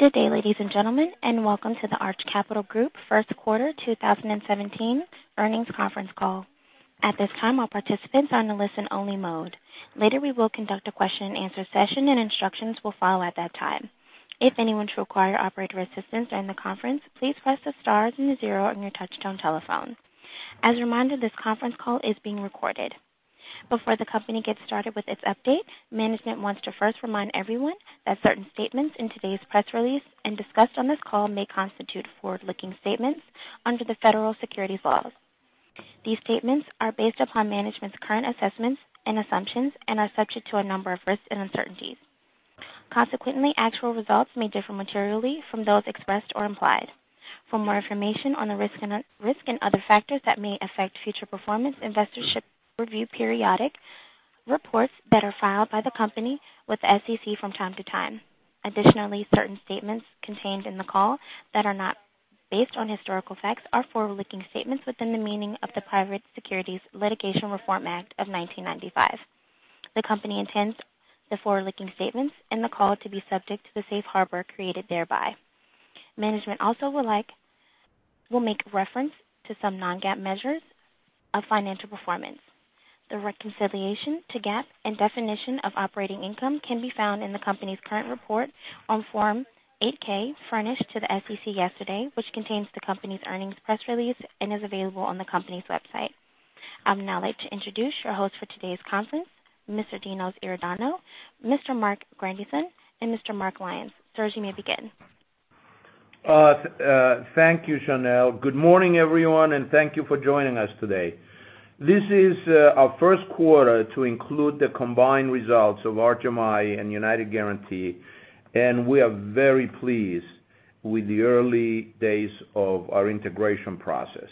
Good day, ladies and gentlemen, and welcome to the Arch Capital Group first quarter 2017 earnings conference call. At this time, all participants are in listen only mode. Later, we will conduct a question and answer session, and instructions will follow at that time. If anyone should require operator assistance during the conference, please press the star then the zero on your touchtone telephone. As a reminder, this conference call is being recorded. Before the company gets started with its update, management wants to first remind everyone that certain statements in today's press release and discussed on this call may constitute forward-looking statements under the federal securities laws. These statements are based upon management's current assessments and assumptions and are subject to a number of risks and uncertainties. Consequently, actual results may differ materially from those expressed or implied. For more information on the risk and other factors that may affect future performance, investors should review periodic reports that are filed by the company with the SEC from time to time. Additionally, certain statements contained in the call that are not based on historical facts are forward-looking statements within the meaning of the Private Securities Litigation Reform Act of 1995. The company intends the forward-looking statements in the call to be subject to the safe harbor created thereby. Management also will make reference to some non-GAAP measures of financial performance. The reconciliation to GAAP and definition of operating income can be found in the company's current report on Form 8-K furnished to the SEC yesterday, which contains the company's earnings press release and is available on the company's website. I'd now like to introduce your host for today's conference, Mr. Constantine Iordanou, Mr. Marc Grandisson, and Mr. Mark Lyons. Sirs, you may begin. Thank you, Chanel. Good morning, everyone, and thank you for joining us today. This is our first quarter to include the combined results of Arch MI and United Guaranty, and we are very pleased with the early days of our integration process.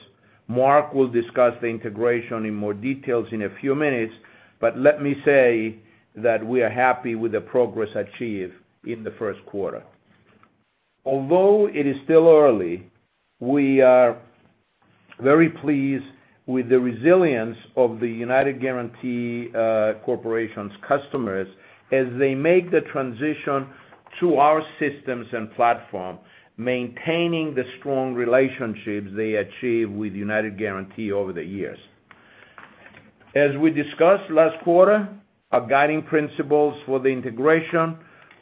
Mark will discuss the integration in more details in a few minutes, but let me say that we are happy with the progress achieved in the first quarter. Although it is still early, we are very pleased with the resilience of the United Guaranty Corporation's customers as they make the transition to our systems and platform, maintaining the strong relationships they achieved with United Guaranty over the years. As we discussed last quarter, our guiding principles for the integration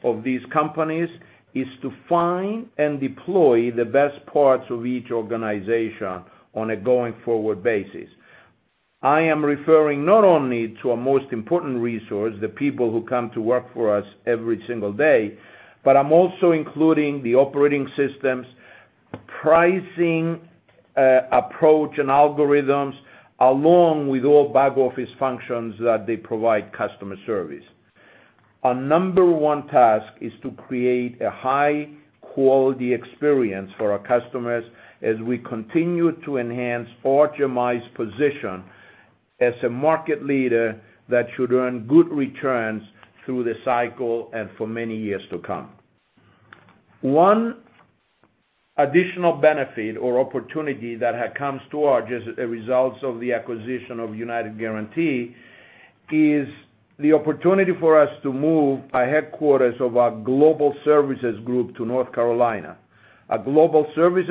of these companies is to find and deploy the best parts of each organization on a going-forward basis. I am referring not only to our most important resource, the people who come to work for us every single day, but I'm also including the operating systems, pricing approach, and algorithms, along with all back office functions that they provide customer service. Our number one task is to create a high-quality experience for our customers as we continue to enhance Arch MI's position as a market leader that should earn good returns through the cycle and for many years to come. One additional benefit or opportunity that had come to Arch as a result of the acquisition of United Guaranty is the opportunity for us to move our headquarters of our global services group to North Carolina. Consolidating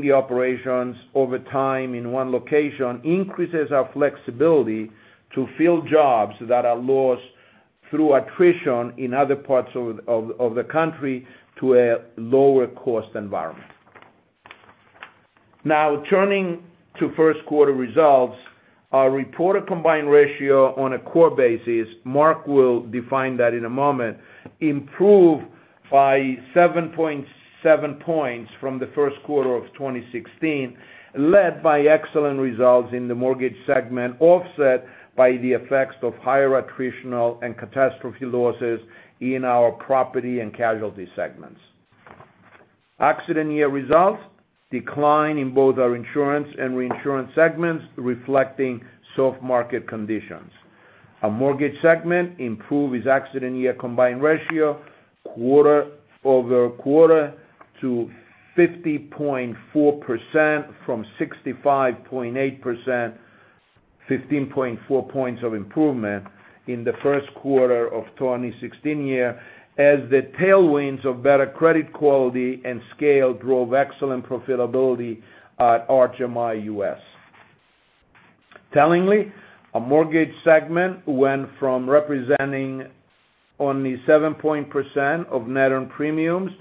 the operations over time in one location increases our flexibility to fill jobs that are lost through attrition in other parts of the country to a lower cost environment. Now, turning to first quarter results, our reported combined ratio on a core basis, Marc will define that in a moment, improved by 7.7 points from the first quarter of 2016, led by excellent results in the mortgage segment, offset by the effects of higher attritional and catastrophe losses in our property and casualty segments. Accident year results declined in both our insurance and reinsurance segments, reflecting soft market conditions. Our mortgage segment improved its accident year combined ratio quarter-over-quarter to 50.4% from 65.8%, 15.4 points of improvement in the first quarter of 2016 as the tailwinds of better credit quality and scale drove excellent profitability at Arch MI U.S. Tellingly, our mortgage segment went from representing only 7% of net earned premiums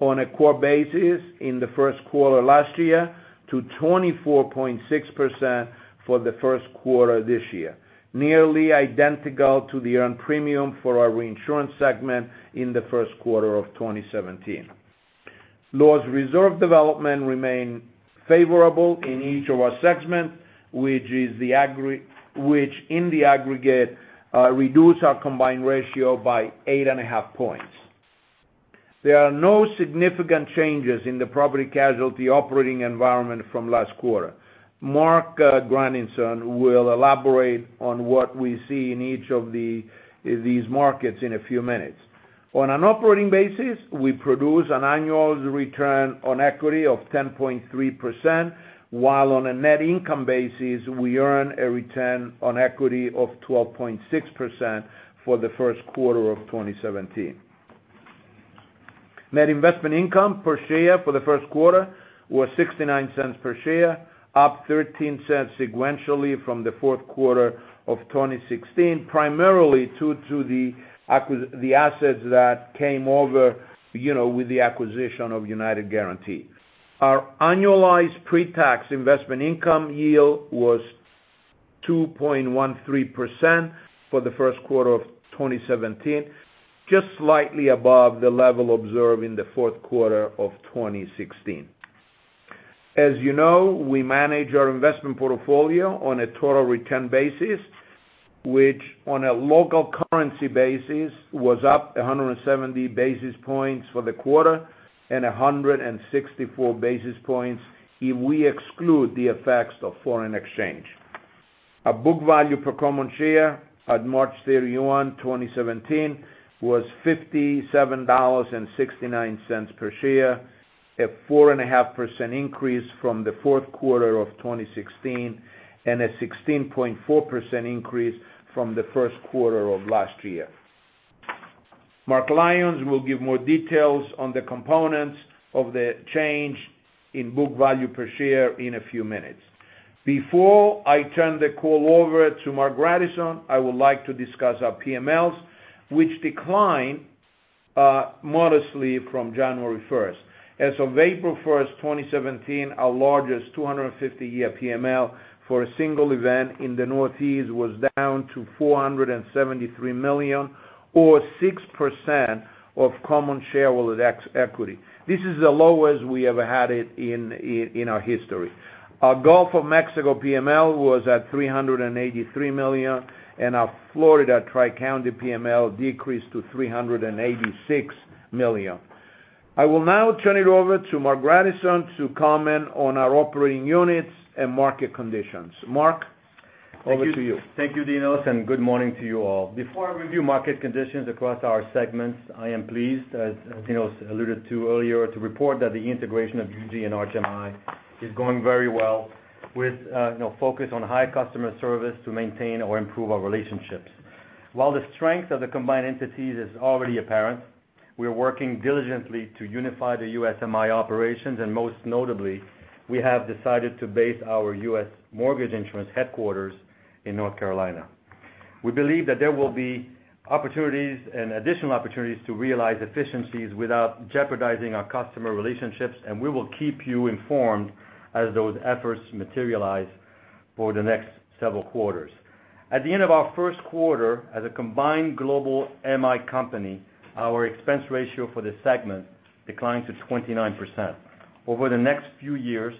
on a core basis in the first quarter last year to 24.6% for the first quarter this year, nearly identical to the earned premium for our reinsurance segment in the first quarter of 2017. Loss reserve development remained favorable in each of our segments, which in the aggregate reduced our combined ratio by eight and a half points. There are no significant changes in the property casualty operating environment from last quarter. Marc Grandisson will elaborate on what we see in each of these markets in a few minutes. On an operating basis, we produce an annual return on equity of 10.3%, while on a net income basis, we earn a return on equity of 12.6% for the first quarter of 2017. Net investment income per share for the first quarter was $0.69 per share, up $0.13 sequentially from the fourth quarter of 2016, primarily due to the assets that came over, with the acquisition of United Guaranty. Our annualized pre-tax investment income yield was 2.13% for the first quarter of 2017, just slightly above the level observed in the fourth quarter of 2016. As you know, we manage our investment portfolio on a total return basis, which on a local currency basis was up 170 basis points for the quarter and 164 basis points if we exclude the effects of foreign exchange. Our book value per common share at March 31, 2017, was $57.69 per share, a 4.5% increase from the fourth quarter of 2016 and a 16.4% increase from the first quarter of last year. Mark Lyons will give more details on the components of the change in book value per share in a few minutes. Before I turn the call over to Marc Grandisson, I would like to discuss our PMLs, which declined modestly from January 1st. As of April 1st, 2017, our largest 250-year PML for a single event in the Northeast was down to $473 million, or 6% of common shareholder equity. This is the lowest we ever had it in our history. Our Gulf of Mexico PML was at $383 million, and our Florida Tri-County PML decreased to $386 million. I will now turn it over to Marc Grandisson to comment on our operating units and market conditions. Marc, over to you. Thank you, Dinos. Good morning to you all. Before I review market conditions across our segments, I am pleased, as Dinos alluded to earlier, to report that the integration of UG and Arch MI is going very well with focus on high customer service to maintain or improve our relationships. While the strength of the combined entities is already apparent, we are working diligently to unify the USMI operations, and most notably, we have decided to base our U.S. mortgage insurance headquarters in North Carolina. We believe that there will be additional opportunities to realize efficiencies without jeopardizing our customer relationships, and we will keep you informed as those efforts materialize over the next several quarters. At the end of our first quarter as a combined global MI company, our expense ratio for the segment declined to 29%. Over the next few years,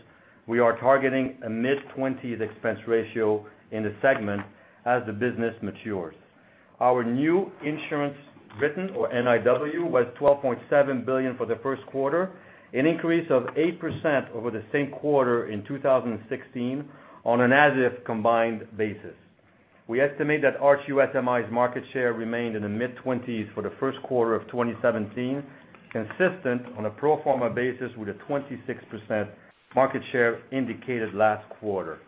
we are targeting a mid-20s expense ratio in the segment as the business matures. Our new insurance written, or NIW, was $12.7 billion for the first quarter, an increase of 8% over the same quarter in 2016 on an as-if combined basis. We estimate that Arch USMI's market share remained in the mid-20s for the first quarter of 2017, consistent on a pro forma basis with a 26% market share indicated last quarter.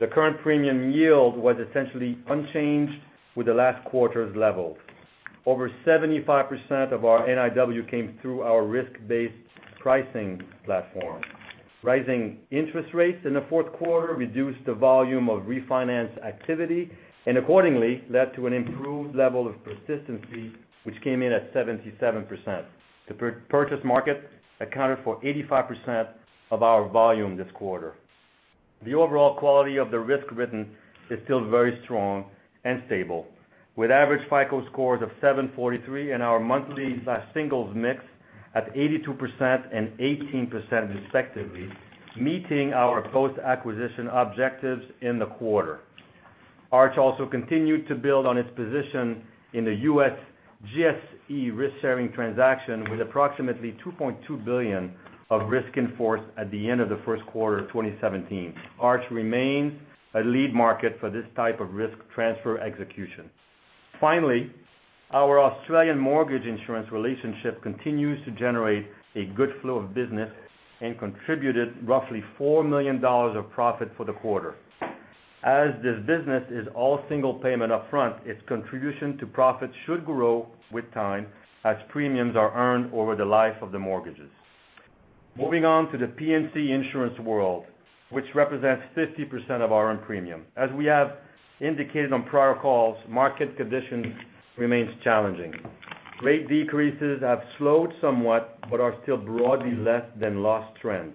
The current premium yield was essentially unchanged with the last quarter's level. Over 75% of our NIW came through our risk-based pricing platform. Rising interest rates in the fourth quarter reduced the volume of refinance activity and accordingly led to an improved level of persistency, which came in at 77%. The purchase market accounted for 85% of our volume this quarter. The overall quality of the risk written is still very strong and stable, with average FICO scores of 743 and our monthly singles mix at 82% and 18% respectively, meeting our post-acquisition objectives in the quarter. Arch also continued to build on its position in the U.S. GSE risk-sharing transaction with approximately $2.2 billion of risk in force at the end of the first quarter of 2017. Arch remains a lead market for this type of risk transfer execution. Finally, our Australian mortgage insurance relationship continues to generate a good flow of business and contributed roughly $4 million of profit for the quarter. As this business is all single payment upfront, its contribution to profit should grow with time as premiums are earned over the life of the mortgages. Moving on to the P&C insurance world, which represents 50% of our own premium. As we have indicated on prior calls, market conditions remains challenging. Rate decreases have slowed somewhat but are still broadly less than loss trend.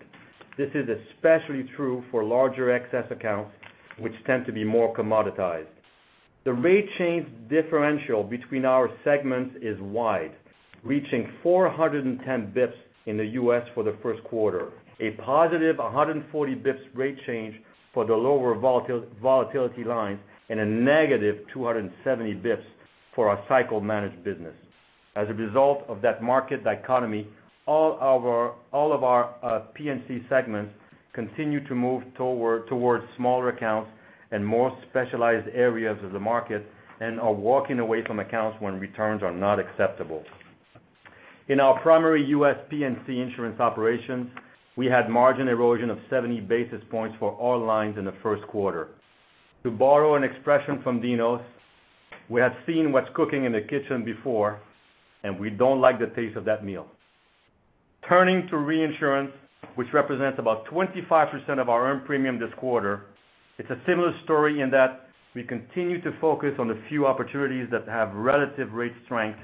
This is especially true for larger excess accounts, which tend to be more commoditized. The rate change differential between our segments is wide, reaching 410 basis points in the U.S. for the first quarter, a positive 140 basis points rate change for the lower volatility line, and a negative 270 basis points for our cycle-managed business. As a result of that market dichotomy, all of our P&C segments continue to move towards smaller accounts and more specialized areas of the market, and are walking away from accounts when returns are not acceptable. In our primary U.S. P&C insurance operations, we had margin erosion of 70 basis points for all lines in the first quarter. To borrow an expression from Dinos, we have seen what's cooking in the kitchen before, and we don't like the taste of that meal. Turning to reinsurance, which represents about 25% of our earned premium this quarter, it's a similar story in that we continue to focus on the few opportunities that have relative rate strength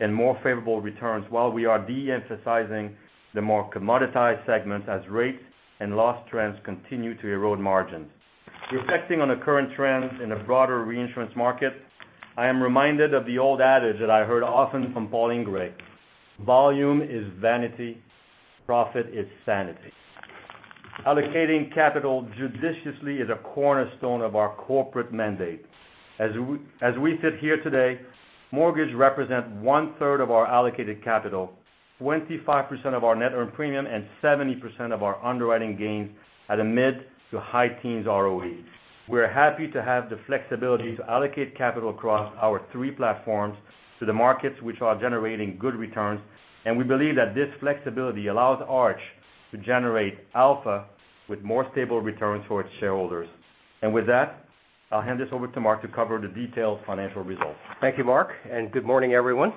and more favorable returns while we are de-emphasizing the more commoditized segments as rate and loss trends continue to erode margins. Reflecting on the current trends in the broader reinsurance market, I am reminded of the old adage that I heard often from Paul Ingrey, "Volume is vanity, profit is sanity." Allocating capital judiciously is a cornerstone of our corporate mandate. As we sit here today, mortgage represents one-third of our allocated capital, 25% of our net earned premium, and 70% of our underwriting gains at a mid to high teens ROE. We're happy to have the flexibility to allocate capital across our three platforms to the markets which are generating good returns, and we believe that this flexibility allows Arch to generate alpha with more stable returns for its shareholders. With that, I'll hand this over to Mark to cover the detailed financial results. Thank you, Mark, and good morning, everyone.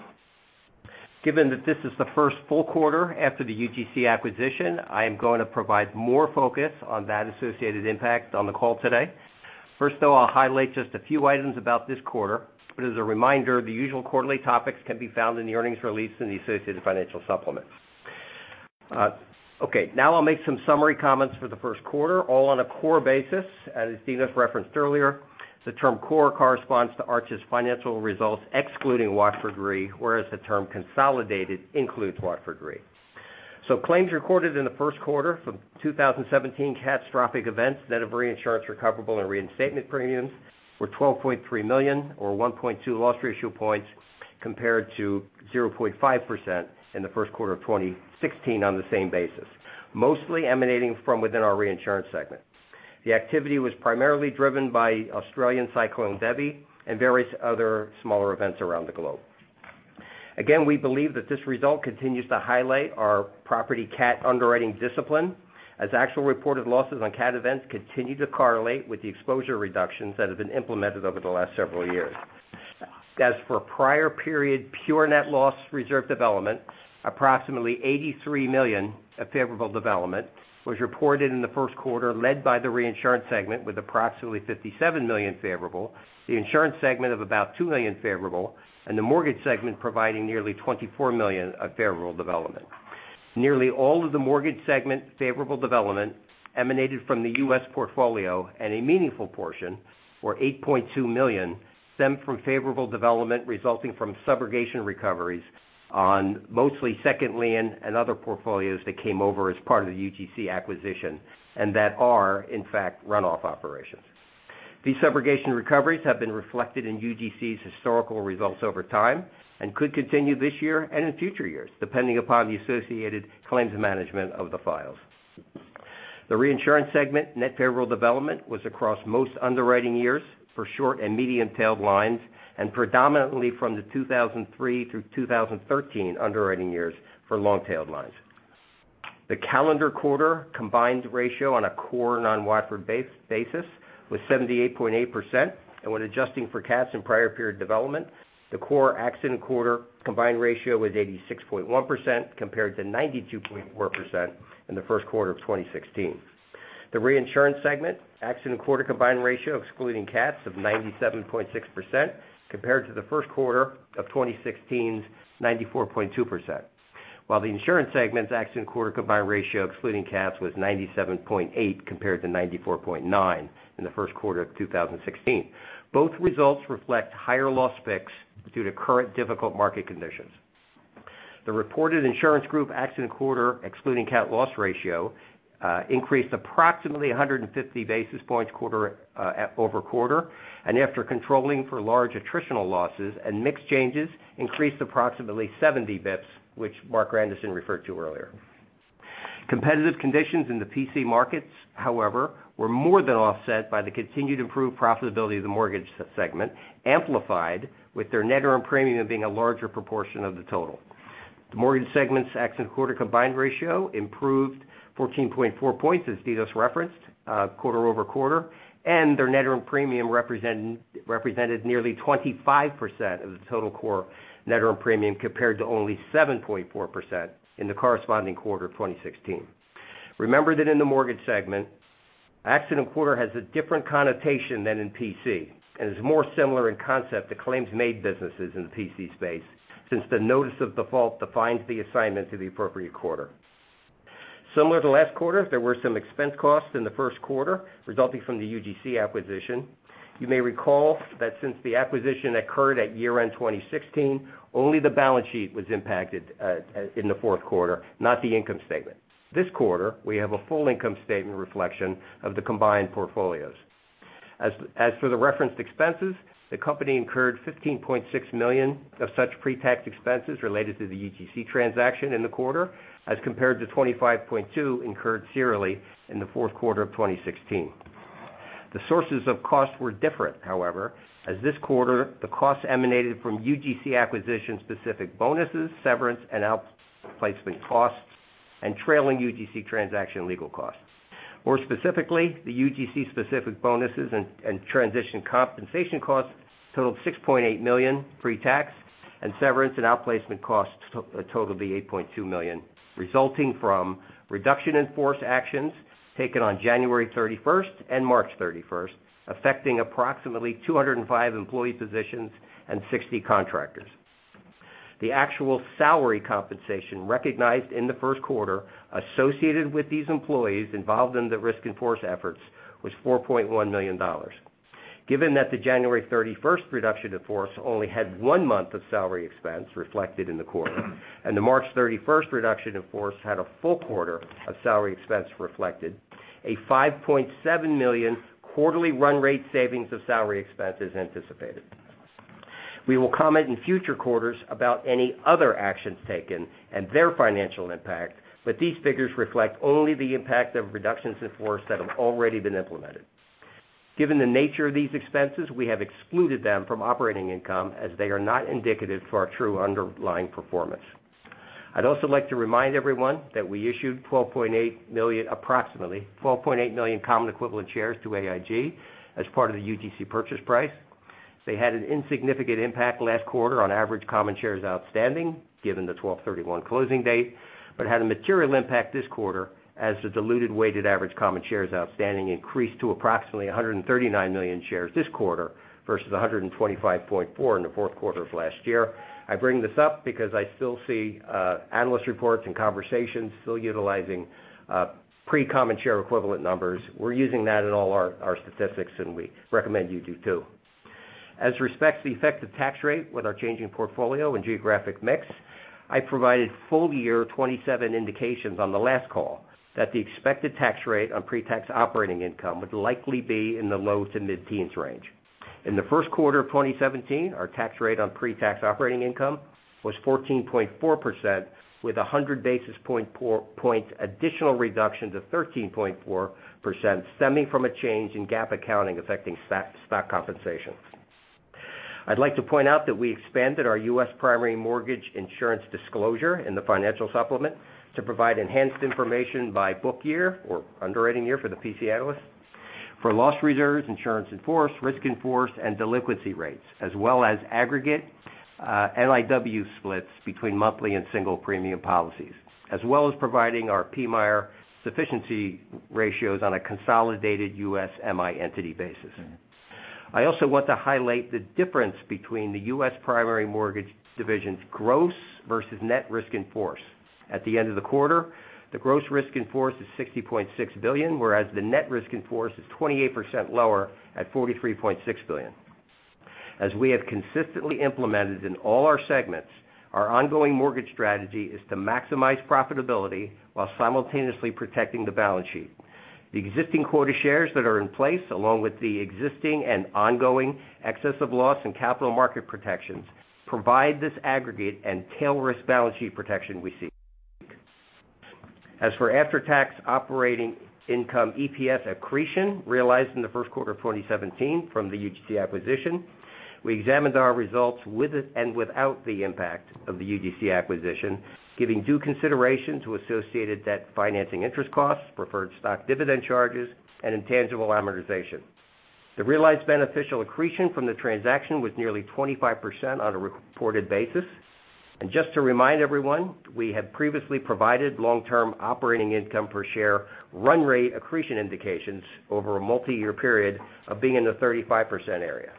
Given that this is the first full quarter after the UGC acquisition, I am going to provide more focus on that associated impact on the call today. First, though, I'll highlight just a few items about this quarter, but as a reminder, the usual quarterly topics can be found in the earnings release in the associated financial supplements. Okay. Now I'll make some summary comments for the first quarter, all on a core basis. As Dinos referenced earlier, the term core corresponds to Arch's financial results excluding Watford Re, whereas the term consolidated includes Watford Re. Claims recorded in the first quarter from 2017 catastrophic events net of reinsurance recoverable and reinstatement premiums were $12.3 million, or 1.2 loss ratio points compared to 0.5% in the first quarter of 2016 on the same basis, mostly emanating from within our Reinsurance segment. The activity was primarily driven by Australian Cyclone Debbie and various other smaller events around the globe. Again, we believe that this result continues to highlight our property cat underwriting discipline as actual reported losses on cat events continue to correlate with the exposure reductions that have been implemented over the last several years. As for prior period pure net loss reserve development, approximately $83 million of favorable development was reported in the first quarter, led by the Reinsurance segment with approximately $57 million favorable, the Insurance segment of about two million favorable, and the Mortgage segment providing nearly $24 million of favorable development. Nearly all of the Mortgage segment favorable development emanated from the U.S. portfolio and a meaningful portion, or $8.2 million, stemmed from favorable development resulting from subrogation recoveries on mostly second lien and other portfolios that came over as part of the UGC acquisition and that are in fact runoff operations. These subrogation recoveries have been reflected in UGC's historical results over time and could continue this year and in future years, depending upon the associated claims management of the files. The Reinsurance segment net favorable development was across most underwriting years for short and medium-tailed lines, and predominantly from the 2003 through 2013 underwriting years for long-tailed lines. The calendar quarter combined ratio on a core non-Watford base basis was 78.8%, and when adjusting for cats in prior period development, the core accident quarter combined ratio was 86.1% compared to 92.4% in the first quarter of 2016. The Reinsurance segment accident quarter combined ratio excluding cats of 97.6% compared to the first quarter of 2016's 94.2%, while the Insurance segment's accident quarter combined ratio excluding cats was 97.8% compared to 94.9% in the first quarter of 2016. Both results reflect higher loss picks due to current difficult market conditions. The reported Insurance Group accident quarter excluding cat loss ratio increased approximately 150 basis points quarter-over-quarter, and after controlling for large attritional losses and mix changes increased approximately 70 basis points, which Marc Grandisson referred to earlier. Competitive conditions in the PC markets, however, were more than offset by the continued improved profitability of the Mortgage segment, amplified with their net earned premium being a larger proportion of the total. The mortgage segment's accident quarter combined ratio improved 14.4 points, as Dinos referenced, quarter-over-quarter, and their net earned premium represented nearly 25% of the total core net earned premium compared to only 7.4% in the corresponding quarter of 2016. Remember that in the mortgage segment, accident quarter has a different connotation than in PC, and is more similar in concept to claims made businesses in the PC space since the notice of default defines the assignment to the appropriate quarter. Similar to last quarter, there were some expense costs in the first quarter resulting from the UGC acquisition. You may recall that since the acquisition occurred at year-end 2016, only the balance sheet was impacted in the fourth quarter, not the income statement. This quarter, we have a full income statement reflection of the combined portfolios. As for the referenced expenses, the company incurred $15.6 million of such pre-tax expenses related to the UGC transaction in the quarter, as compared to $25.2 incurred serially in the fourth quarter of 2016. The sources of costs were different, however, as this quarter, the costs emanated from UGC acquisition-specific bonuses, severance, and outplacement costs, and trailing UGC transaction legal costs. More specifically, the UGC-specific bonuses and transition compensation costs totaled $6.8 million pre-tax, and severance and outplacement costs totaled $8.2 million, resulting from reduction in force actions taken on January 31st and March 31st, affecting approximately 205 employee positions and 60 contractors. The actual salary compensation recognized in the first quarter associated with these employees involved in the risk in-force efforts was $4.1 million. Given that the January 31st reduction in force only had one month of salary expense reflected in the quarter, and the March 31st reduction in force had a full quarter of salary expense reflected, a $5.7 million quarterly run rate savings of salary expense is anticipated. We will comment in future quarters about any other actions taken and their financial impact, but these figures reflect only the impact of reductions in force that have already been implemented. Given the nature of these expenses, we have excluded them from operating income as they are not indicative for our true underlying performance. I'd also like to remind everyone that we issued approximately 12.8 million common equivalent shares to AIG as part of the UGC purchase price. They had an insignificant impact last quarter on average common shares outstanding, given the 12/31 closing date, but had a material impact this quarter as the diluted weighted average common shares outstanding increased to approximately 139 million shares this quarter versus 125.4 in the fourth quarter of last year. I bring this up because I still see analyst reports and conversations still utilizing pre-common share equivalent numbers. We're using that in all our statistics, and we recommend you do, too. As respects the effective tax rate with our changing portfolio and geographic mix, I provided full year 2027 indications on the last call that the expected tax rate on pre-tax operating income would likely be in the low to mid-teens range. In the first quarter of 2017, our tax rate on pre-tax operating income was 14.4%, with 100 basis point additional reduction to 13.4% stemming from a change in GAAP accounting affecting stock compensation. I'd like to point out that we expanded our U.S. primary mortgage insurance disclosure in the financial supplement to provide enhanced information by book year or underwriting year for the P&C analysts for loss reserves, insurance in force, risk in force, and delinquency rates, as well as aggregate NIW splits between monthly and single premium policies, as well as providing our PMIER sufficiency ratios on a consolidated U.S. MI entity basis. I also want to highlight the difference between the U.S. primary mortgage division's gross versus net risk in force. At the end of the quarter, the gross risk in force is $60.6 billion, whereas the net risk in force is 28% lower at $43.6 billion. As we have consistently implemented in all our segments, our ongoing mortgage strategy is to maximize profitability while simultaneously protecting the balance sheet. The existing quota shares that are in place, along with the existing and ongoing excess of loss and capital market protections, provide this aggregate and tail risk balance sheet protection we seek. As for after-tax operating income EPS accretion realized in the first quarter of 2017 from the UGC acquisition, we examined our results with and without the impact of the UGC acquisition, giving due consideration to associated debt financing interest costs, preferred stock dividend charges, and intangible amortization. The realized beneficial accretion from the transaction was nearly 25% on a reported basis. Just to remind everyone, we had previously provided long-term operating income per share run rate accretion indications over a multi-year period of being in the 35% area.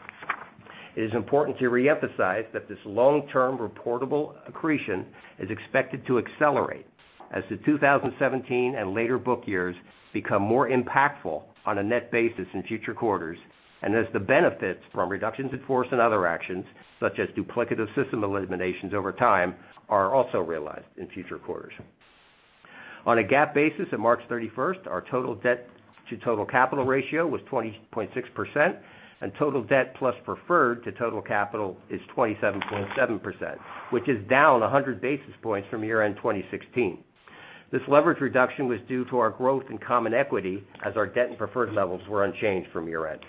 It is important to reemphasize that this long-term reportable accretion is expected to accelerate as the 2017 and later book years become more impactful on a net basis in future quarters, as the benefits from reductions in force and other actions, such as duplicative system eliminations over time, are also realized in future quarters. On a GAAP basis at March 31st, our total debt to total capital ratio was 20.6%, and total debt plus preferred to total capital is 27.7%, which is down 100 basis points from year-end 2016. This leverage reduction was due to our growth in common equity as our debt and preferred levels were unchanged from year-end.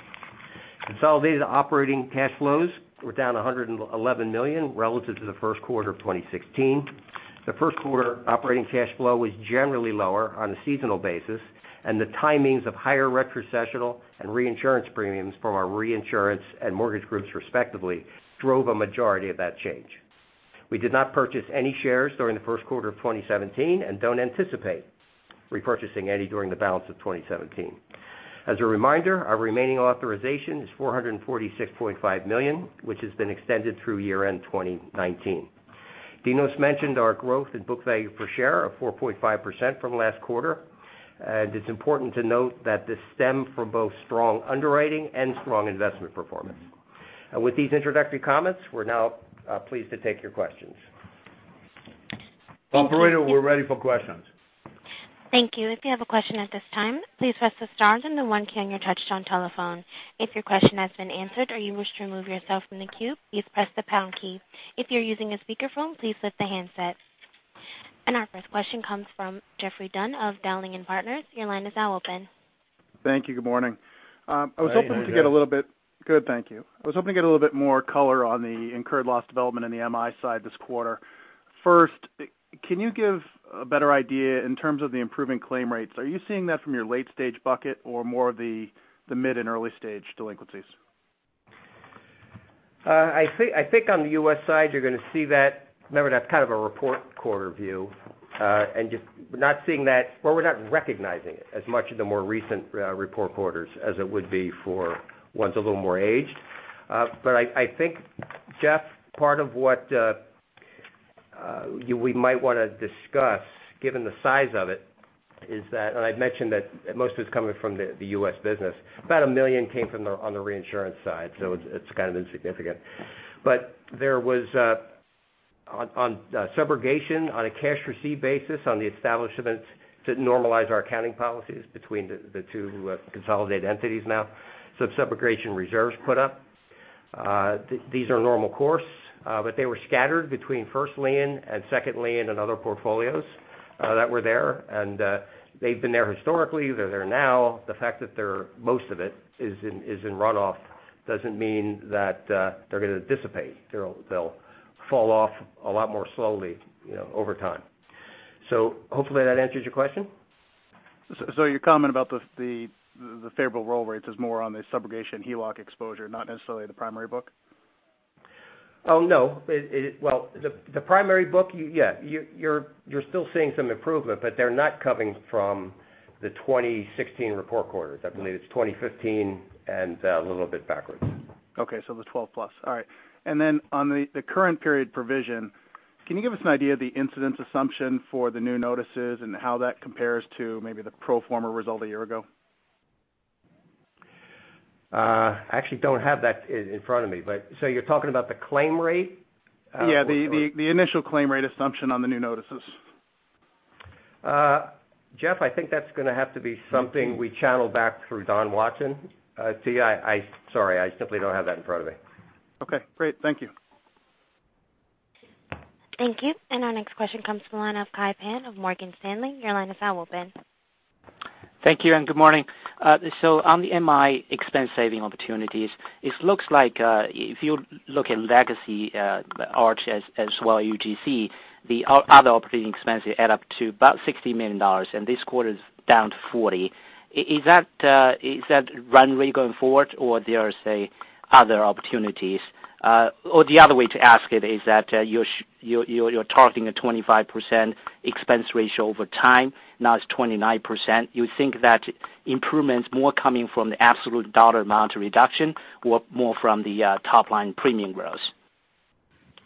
Consolidated operating cash flows were down $111 million relative to the first quarter of 2016. The first quarter operating cash flow was generally lower on a seasonal basis, the timings of higher retrocessional and reinsurance premiums from our reinsurance and mortgage groups, respectively, drove a majority of that change. We did not purchase any shares during the first quarter of 2017 and don't anticipate repurchasing any during the balance of 2017. As a reminder, our remaining authorization is $446.5 million, which has been extended through year-end 2019. Dinos mentioned our growth in book value per share of 4.5% from last quarter, it's important to note that this stemmed from both strong underwriting and strong investment performance. With these introductory comments, we're now pleased to take your questions. Operator, we're ready for questions. Thank you. If you have a question at this time, please press the star then the one key on your touch-tone telephone. If your question has been answered or you wish to remove yourself from the queue, please press the pound key. If you're using a speakerphone, please lift the handset. Our first question comes from Jeffrey Dunn of Dowling & Partners. Your line is now open. Thank you. Good morning. Hi, how are you, Jeffrey? Good, thank you. I was hoping to get a little bit more color on the incurred loss development in the MI side this quarter. First, can you give a better idea in terms of the improving claim rates? Are you seeing that from your late-stage bucket or more of the mid and early-stage delinquencies? I think on the U.S. side, you're going to see that. Remember, that's kind of a report quarter view. We're not seeing that, or we're not recognizing it as much in the more recent report quarters as it would be for ones a little more aged. I think, Jeffrey, part of what we might want to discuss, given the size of it, is that, I've mentioned that most of it's coming from the U.S. business. About $1 million came on the reinsurance side, so it's kind of insignificant. There was, on subrogation, on a cash received basis, on the establishments to normalize our accounting policies between the two consolidated entities now. Subrogation reserves put up. These are normal course, but they were scattered between first lien and second lien and other portfolios that were there. They've been there historically. They're there now. The fact that most of it is in runoff doesn't mean that they're going to dissipate. They'll fall off a lot more slowly over time. Hopefully that answers your question. Your comment about the favorable roll rates is more on the subrogation HELOC exposure, not necessarily the primary book? No. Well, the primary book, yeah. You're still seeing some improvement, they're not coming from the 2016 report quarter. I believe it's 2015 and a little bit backwards. Okay, the 12 plus. All right. On the current period provision, can you give us an idea of the incidence assumption for the new notices and how that compares to maybe the pro forma result a year ago? I actually don't have that in front of me. You're talking about the claim rate? Yeah. The initial claim rate assumption on the new notices. Jefferies, I think that's going to have to be something we channel back through Donald Watson to you. Sorry, I simply don't have that in front of me. Okay, great. Thank you. Thank you. Our next question comes from the line of Kai Pan of Morgan Stanley. Your line is now open. Thank you, good morning. On the MI expense saving opportunities, it looks like if you look at legacy Arch as well, UGC, the other operating expenses add up to about $60 million, and this quarter's down to $40 million. Is that run rate going forward, or there are, say, other opportunities? The other way to ask it is that you're targeting a 25% expense ratio over time, now it's 29%. You think that improvement's more coming from the absolute dollar amount reduction, or more from the top-line premium growth?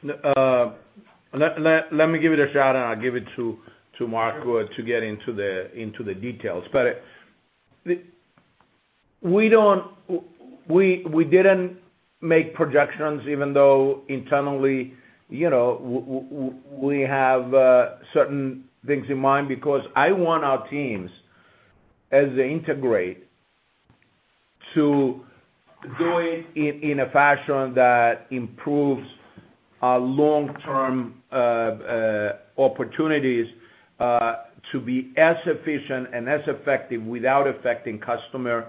Let me give it a shot, and I'll give it to Marc to get into the details. We didn't make projections even though internally, we have certain things in mind because I want our teams, as they integrate, to do it in a fashion that improves our long-term opportunities to be as efficient and as effective without affecting customer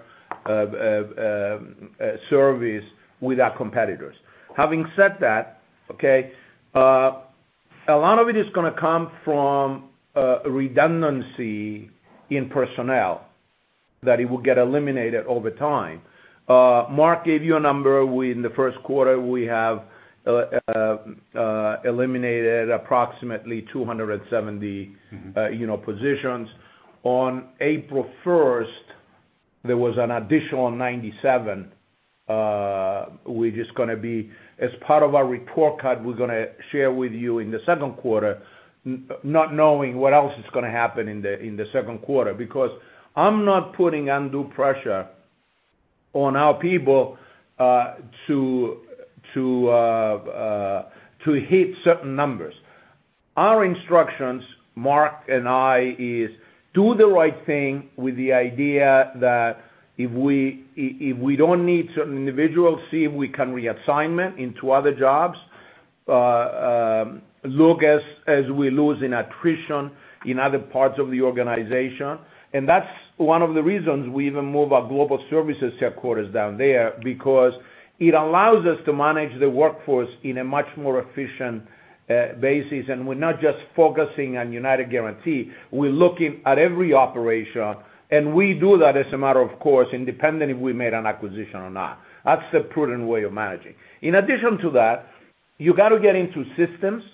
service with our competitors. Having said that, a lot of it is going to come from redundancy in personnel that it will get eliminated over time. Marc gave you a number. In the first quarter, we have eliminated approximately 270 positions. On April 1st, there was an additional 97, which is going to be as part of our report card we're going to share with you in the second quarter, not knowing what else is going to happen in the second quarter. I'm not putting undue pressure on our people to hit certain numbers. Our instructions, Marc and I, is do the right thing with the idea that if we don't need certain individuals, see if we can reassign them into other jobs, look as we lose in attrition in other parts of the organization. That's one of the reasons we even moved our global services headquarters down there because it allows us to manage the workforce in a much more efficient basis. We're not just focusing on United Guaranty. We're looking at every operation, and we do that as a matter of course independent if we made an acquisition or not. That's the prudent way of managing. In addition to that, you got to get into systems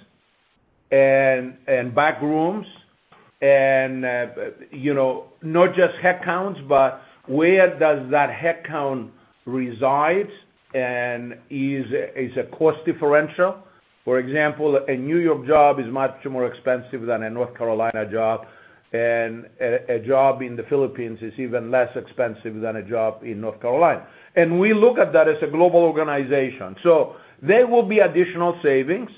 and back rooms and not just headcounts, but where does that headcount reside and is a cost differential. For example, a New York job is much more expensive than a North Carolina job, and a job in the Philippines is even less expensive than a job in North Carolina. There will be additional savings.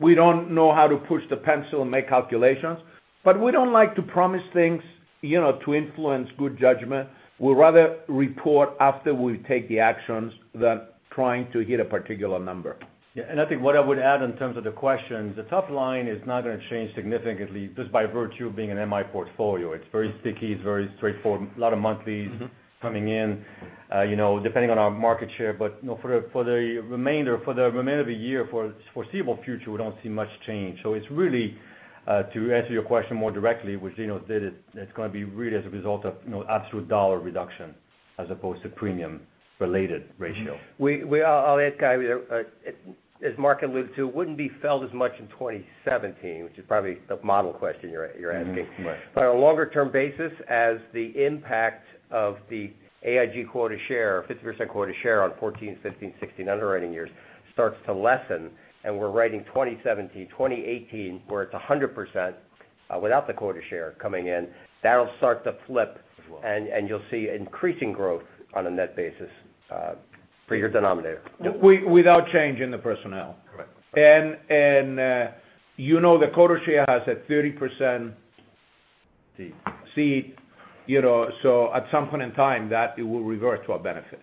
We don't know how to push the pencil and make calculations, but we don't like to promise things to influence good judgment. We'd rather report after we take the actions than trying to hit a particular number. Yeah. I think what I would add in terms of the question, the top line is not going to change significantly just by virtue of being an MI portfolio. It's very sticky, it's very straightforward. A lot of monthlies coming in depending on our market share. For the remainder of the year, for foreseeable future, we don't see much change. It's really, to answer your question more directly, what Dinos did, it's going to be really as a result of absolute dollar reduction as opposed to premium related ratio. We are, I'll add, Kai, as Mark alluded to, wouldn't be felt as much in 2017, which is probably the model question you're asking. Right. On a longer term basis, as the impact of the AIG quota share, 50% quota share on 2014, 2015, 2016 underwriting years starts to lessen, and we're writing 2017, 2018, where it's 100% without the quota share coming in, that'll start to flip and you'll see increasing growth on a net basis for your denominator. Without changing the personnel. Correct. You know the quota share has a 30% seat, so at some point in time, that it will revert to our benefit.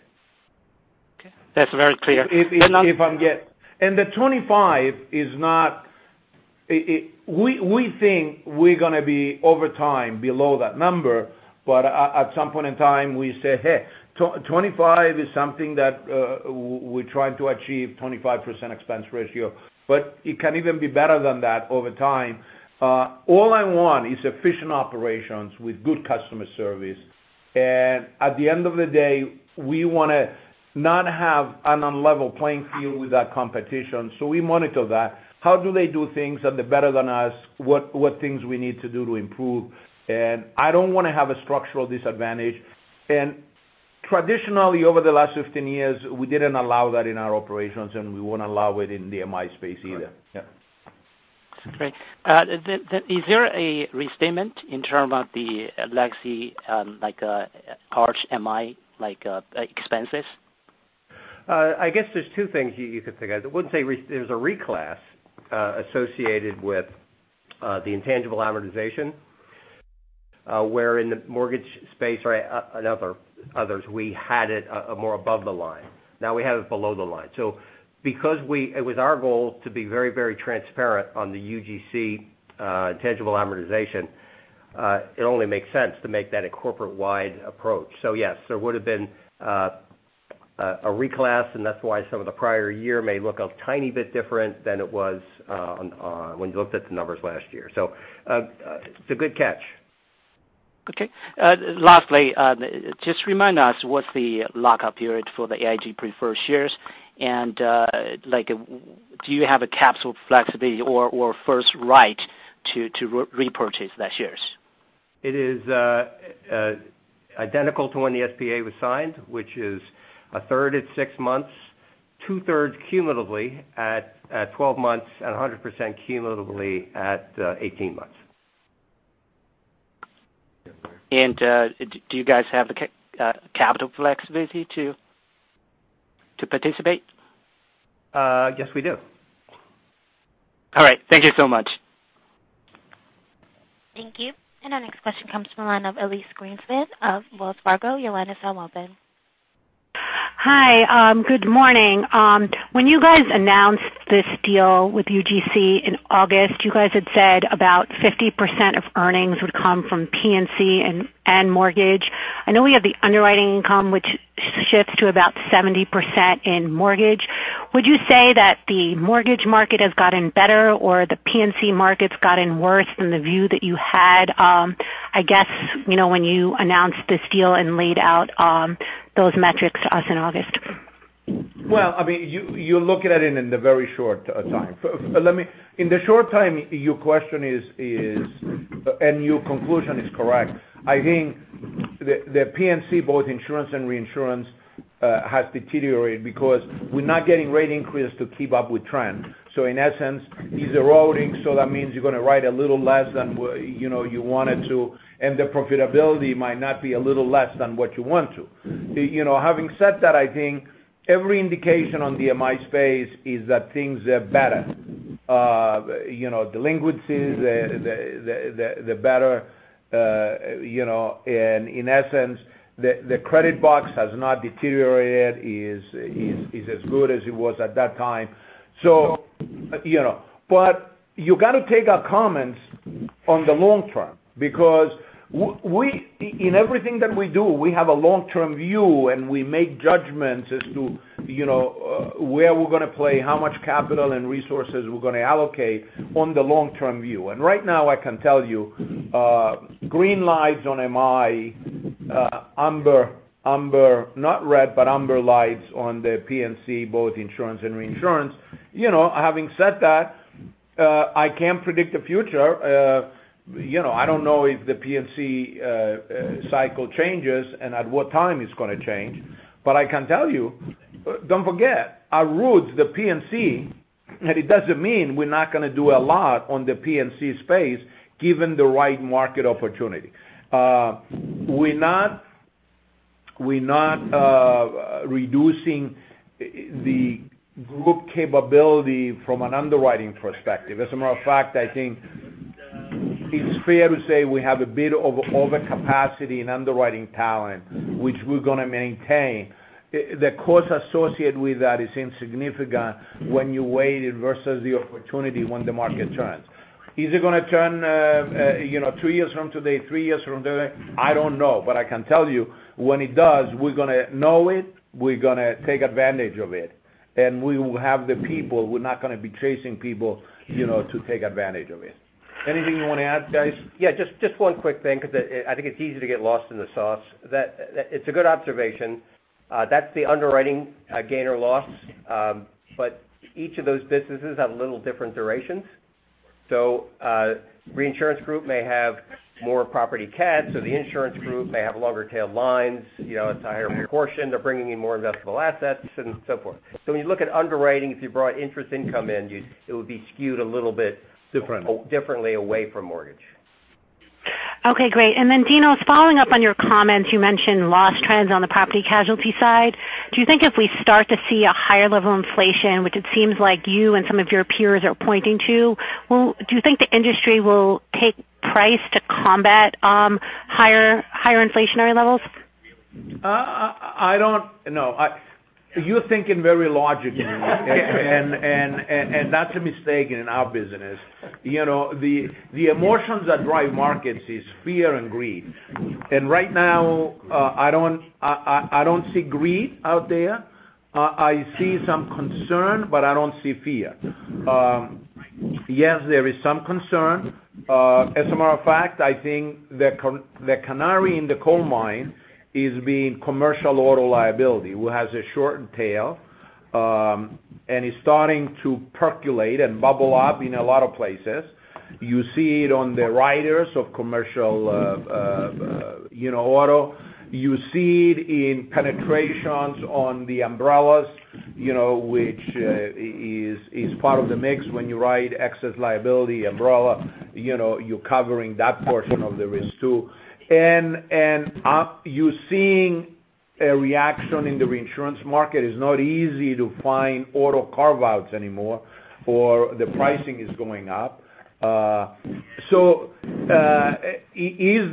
Okay. That's very clear. If I'm the 25 is not We think we're going to be, over time, below that number. At some point in time, we say, hey, 25 is something that we're trying to achieve, 25% expense ratio. It can even be better than that over time. All I want is efficient operations with good customer service. At the end of the day, we want to not have an unlevel playing field with our competition. We monitor that. How do they do things? Are they better than us? What things we need to do to improve? I don't want to have a structural disadvantage. Traditionally, over the last 15 years, we didn't allow that in our operations, and we won't allow it in the MI space either. Correct. Yeah. Great. Is there a restatement in terms of the legacy, like a large MI, like expenses? I guess there's two things you could think of. I wouldn't say there's a reclass associated with the intangible amortization, where in the mortgage space or others, we had it more above the line. Now we have it below the line. Because it was our goal to be very transparent on the UGC tangible amortization, it only makes sense to make that a corporate-wide approach. Yes, there would've been a reclass, and that's why some of the prior year may look a tiny bit different than it was when you looked at the numbers last year. It's a good catch. Okay. Lastly, just remind us what's the lockup period for the AIG preferred shares and do you have a call flexibility or first right to repurchase that shares? It is identical to when the SPA was signed, which is a third at six months, two-thirds cumulatively at 12 months, and 100% cumulatively at 18 months. Yes, sir. Do you guys have the capital flexibility to participate? Yes, we do. All right. Thank you so much. Thank you. Our next question comes from the line of Elyse Greenspan of Wells Fargo. Your line is now open. Hi. Good morning. When you guys announced this deal with UGC in August, you guys had said about 50% of earnings would come from P&C and mortgage. I know we have the underwriting income, which shifts to about 70% in mortgage. Would you say that the mortgage market has gotten better or the P&C market's gotten worse than the view that you had, I guess, when you announced this deal and laid out those metrics to us in August? I mean, you're looking at it in the very short time. In the short time, your question is, and your conclusion is correct. I think the P&C, both insurance and reinsurance, has deteriorated because we're not getting rate increase to keep up with trend. In essence, is eroding, that means you're going to write a little less than you wanted to, the profitability might not be a little less than what you want to. Having said that, I think every indication on the MI space is that things are better. Delinquencies, they're better. In essence, the credit box has not deteriorated, is as good as it was at that time. You got to take our comments on the long term, because in everything that we do, we have a long-term view and we make judgments as to where we're going to play, how much capital and resources we're going to allocate on the long-term view. Right now, I can tell you, green lights on MI, amber, not red, but amber lights on the P&C, both insurance and reinsurance. Having said that, I can't predict the future. I don't know if the P&C cycle changes and at what time it's going to change. I can tell you, don't forget, our roots, the P&C, it doesn't mean we're not going to do a lot on the P&C space given the right market opportunity. We're not reducing the group capability from an underwriting perspective. As a matter of fact, I think it's fair to say we have a bit of overcapacity in underwriting talent, which we're going to maintain. The cost associated with that is insignificant when you weigh it versus the opportunity when the market turns. Is it going to turn two years from today, three years from today? I don't know. I can tell you, when it does, we're going to know it, we're going to take advantage of it, we will have the people. We're not going to be chasing people to take advantage of it. Anything you want to add, guys? Yeah, just one quick thing, because I think it's easy to get lost in the sauce. It's a good observation. That's the underwriting gain or loss, Each of those businesses have a little different durations. Reinsurance group may have more property cat, The insurance group may have longer tail lines, it's a higher proportion, they're bringing in more investable assets, and so forth. When you look at underwriting, if you brought interest income in, it would be skewed a little bit- Differently differently away from mortgage. Okay, great. Dinos, following up on your comments, you mentioned loss trends on the property casualty side. Do you think if we start to see a higher level inflation, which it seems like you and some of your peers are pointing to, do you think the industry will take price to combat higher inflationary levels? I don't know. You're thinking very logically. That's a mistake in our business. The emotions that drive markets is fear and greed. Right now, I don't see greed out there. I see some concern, I don't see fear. Yes, there is some concern. As a matter of fact, I think the canary in the coal mine is the commercial auto liability, who has a short tail, and is starting to percolate and bubble up in a lot of places. You see it on the riders of commercial auto. You see it in penetrations on the umbrellas which is part of the mix when you ride excess liability umbrella, you're covering that portion of the risk too. You're seeing a reaction in the reinsurance market, it's not easy to find auto carve-outs anymore, The pricing is going up. Is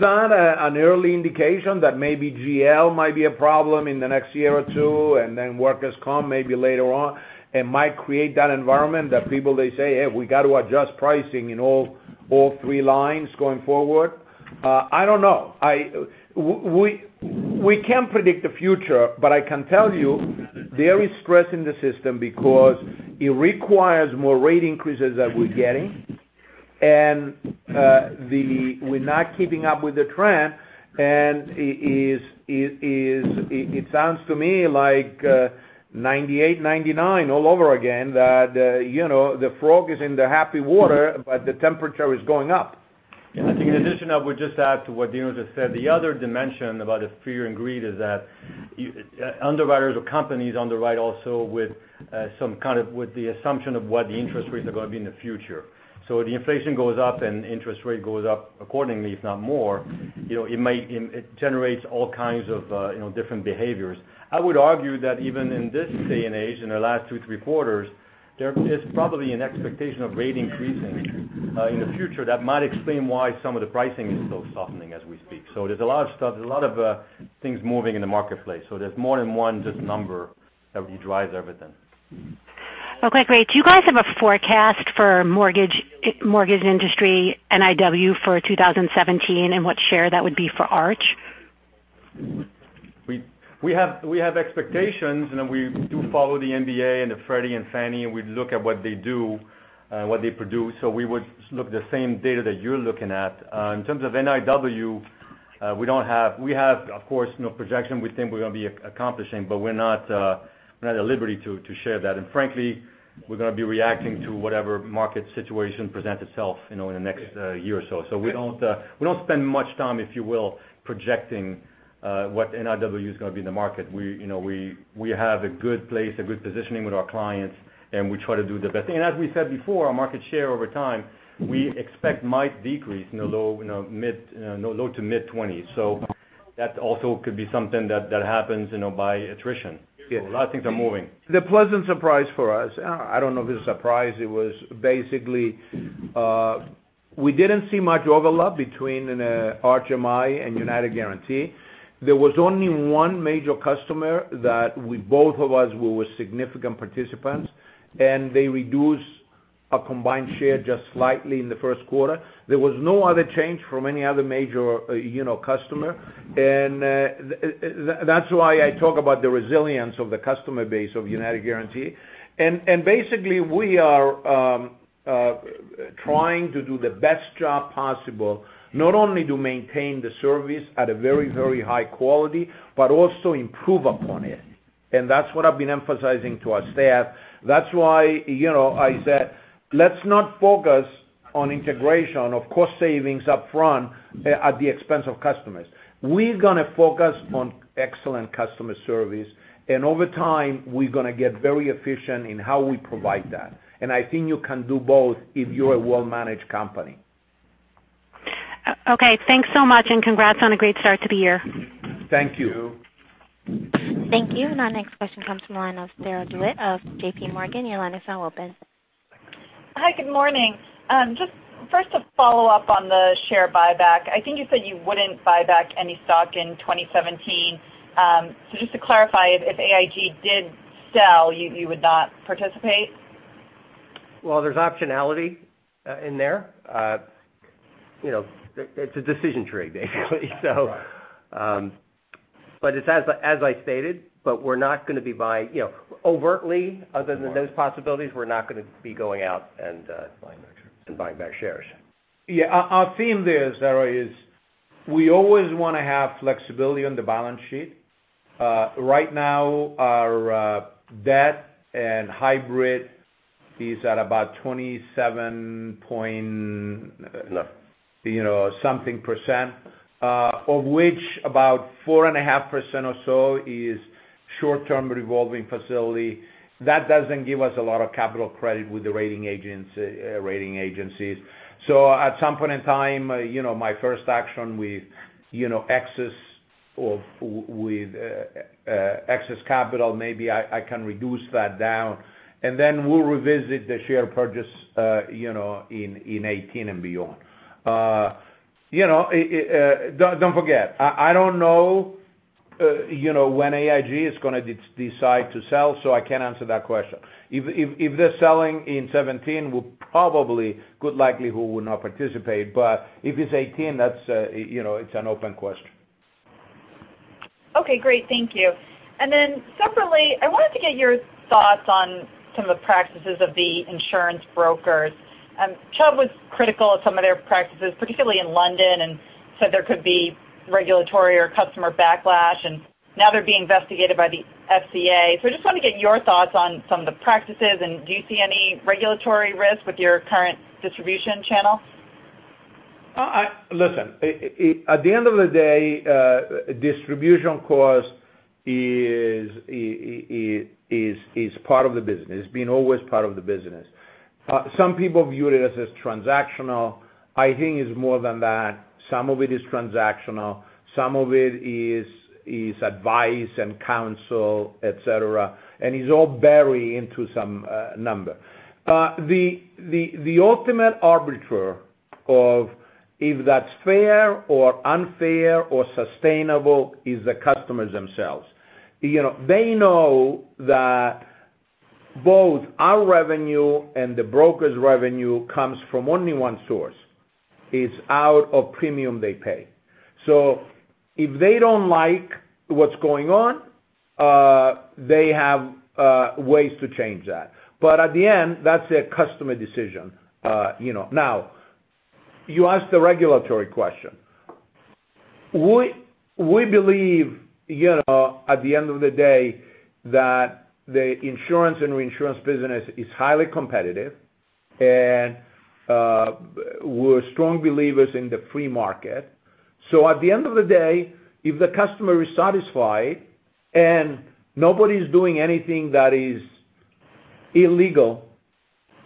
that an early indication that maybe GL might be a problem in the next year or two, and then workers' comp maybe later on, and might create that environment that people say, "Hey, we got to adjust pricing in all three lines going forward?" I don't know. We can't predict the future, but I can tell you there is stress in the system because it requires more rate increases than we're getting, and we're not keeping up with the trend. It sounds to me like 1998, 1999 all over again, that the frog is in the happy water, but the temperature is going up. I think in addition, I would just add to what Dinos just said, the other dimension about the fear and greed is that underwriters or companies underwrite also with the assumption of what the interest rates are going to be in the future. The inflation goes up and interest rate goes up accordingly, if not more, it generates all kinds of different behaviors. I would argue that even in this day and age, in the last two to three quarters, there is probably an expectation of rate increasing in the future that might explain why some of the pricing is still softening as we speak. There's a lot of stuff, there's a lot of things moving in the marketplace. There's more than one just number that really drives everything. Okay, great. Do you guys have a forecast for mortgage industry NIW for 2017, and what share that would be for Arch? We have expectations, and then we do follow the MBA and the Freddie and Fannie, and we look at what they do and what they produce. We would look the same data that you're looking at. In terms of NIW, we have, of course, no projection we think we're going to be accomplishing, but we're not at liberty to share that. Frankly, we're going to be reacting to whatever market situation presents itself in the next year or so. We don't spend much time, if you will, projecting what NIW is going to be in the market. We have a good place, a good positioning with our clients, and we try to do the best thing. As we said before, our market share over time, we expect might decrease in the low to mid-20s. That also could be something that happens by attrition. Yeah. A lot of things are moving. The pleasant surprise for us, I don't know if it's a surprise, it was basically, we didn't see much overlap between Arch MI and United Guaranty. There was only one major customer that both of us were significant participants, and they reduced our combined share just slightly in the first quarter. There was no other change from any other major customer. That's why I talk about the resilience of the customer base of United Guaranty. Basically, we are trying to do the best job possible, not only to maintain the service at a very high quality, but also improve upon it. That's what I've been emphasizing to our staff. That's why I said, "Let's not focus on integration, of cost savings up front at the expense of customers. We're going to focus on excellent customer service, and over time, we're going to get very efficient in how we provide that." I think you can do both if you're a well-managed company. Okay, thanks so much, and congrats on a great start to the year. Thank you. Thank you. Our next question comes from the line of Sarah DeWitt of J.P. Morgan. Your line is now open. Hi, good morning. Just first a follow-up on the share buyback. I think you said you wouldn't buy back any stock in 2017. Just to clarify, if AIG did sell you would not participate? Well, there's optionality in there. It's a decision tree, basically. As I stated, overtly, other than those possibilities, we're not going to be going out. Buying back shares Buying back shares. Yeah. Our theme there, Sarah, is we always want to have flexibility on the balance sheet. Right now, our debt and hybrid is at about 27 point something %, of which about 4.5% or so is short-term revolving facility. That doesn't give us a lot of capital credit with the rating agencies. At some point in time, my first action with excess capital, maybe I can reduce that down, then we'll revisit the share purchase in 2018 and beyond. Don't forget, I don't know when AIG is going to decide to sell, I can't answer that question. If they're selling in 2017, we probably could likely who would not participate. If it's 2018, it's an open question. Okay, great. Thank you. Separately, I wanted to get your thoughts on some of the practices of the insurance brokers. Chubb was critical of some of their practices, particularly in London, said there could be regulatory or customer backlash, now they're being investigated by the FCA. I just want to get your thoughts on some of the practices, do you see any regulatory risk with your current distribution channel? Listen, at the end of the day, distribution cost is part of the business. It's been always part of the business. Some people view it as transactional. I think it's more than that. Some of it is transactional. Some of it is advice and counsel, et cetera. It's all buried into some number. The ultimate arbiter of if that's fair or unfair or sustainable is the customers themselves. They know that both our revenue and the broker's revenue comes from only one source. It's out of premium they pay. If they don't like what's going on, they have ways to change that. At the end, that's a customer decision. Now, you asked the regulatory question. We believe, at the end of the day, that the insurance and reinsurance business is highly competitive and we're strong believers in the free market. At the end of the day, if the customer is satisfied and nobody's doing anything that is illegal,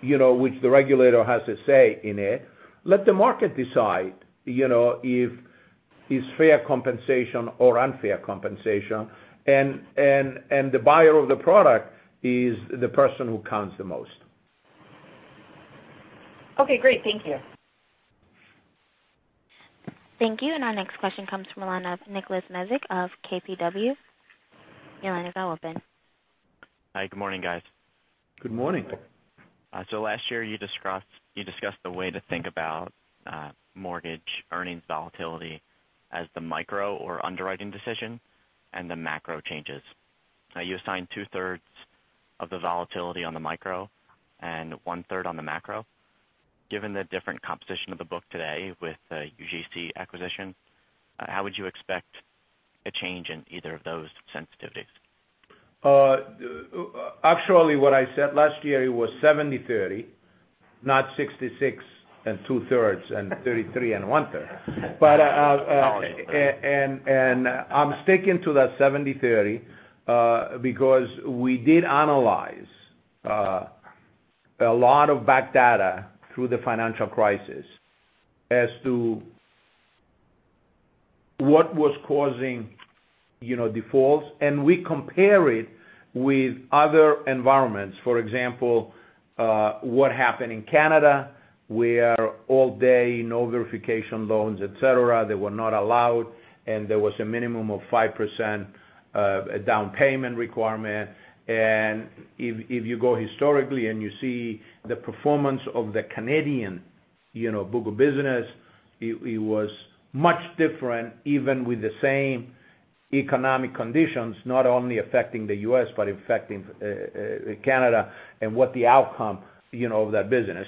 which the regulator has a say in it, let the market decide if it's fair compensation or unfair compensation, the buyer of the product is the person who counts the most. Okay, great. Thank you. Thank you. Our next question comes from the line of Nicholas Mesick of KBW. Your line is now open. Hi, good morning, guys. Good morning. Last year you discussed the way to think about mortgage earnings volatility as the micro or underwriting decision and the macro changes. Now you assigned two-thirds of the volatility on the micro and one-third on the macro. Given the different composition of the book today with the UGC acquisition, how would you expect a change in either of those sensitivities? Actually, what I said last year, it was 70/30, not 66% and two-thirds and 33% and one-third. Sorry. I'm sticking to that 70/30 because we did analyze a lot of back data through the financial crisis as to what was causing defaults. We compare it with other environments. For example, what happened in Canada, where all day, no verification loans, et cetera, they were not allowed, and there was a minimum of 5% down payment requirement. If you go historically and you see the performance of the Canadian book of business, it was much different even with the same economic conditions, not only affecting the U.S. but affecting Canada, and what the outcome of that business.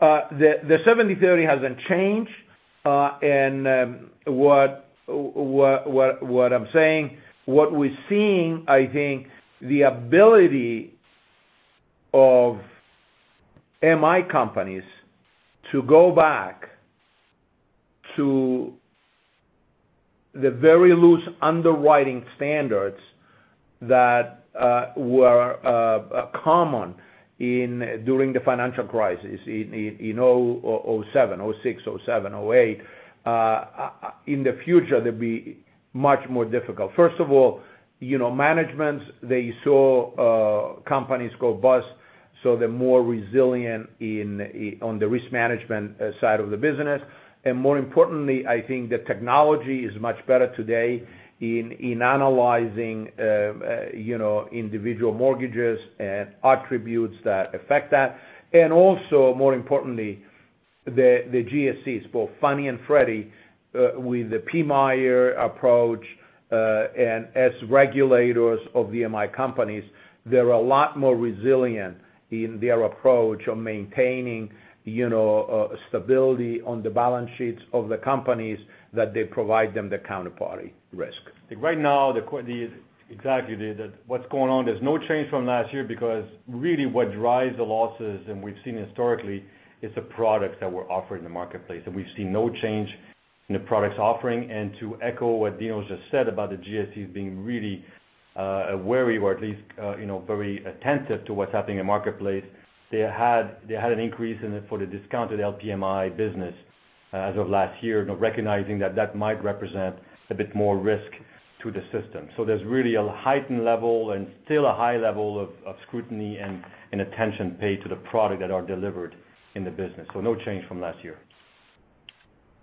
The 70/30 hasn't changed. What I'm saying, what we're seeing, I think the ability of MI companies to go back to the very loose underwriting standards that were common during the financial crisis in 2006, 2007, 2008, in the future, they'll be much more difficult. First of all, managements, they saw companies go bust, so they're more resilient on the risk management side of the business. More importantly, I think the technology is much better today in analyzing individual mortgages and attributes that affect that. Also, more importantly, the GSEs, both Fannie and Freddie, with the PMIER approach, and as regulators of MI companies, they're a lot more resilient in their approach of maintaining stability on the balance sheets of the companies that they provide them the counterparty risk. I think right now, exactly, David, what's going on, there's no change from last year because really what drives the losses, and we've seen historically, is the products that were offered in the marketplace. We've seen no change in the products offering. To echo what Dinos just said about the GSEs being really wary or at least very attentive to what's happening in the marketplace, they had an increase for the discounted LPMI business as of last year, recognizing that that might represent a bit more risk to the system. There's really a heightened level and still a high level of scrutiny and attention paid to the product that are delivered in the business. No change from last year.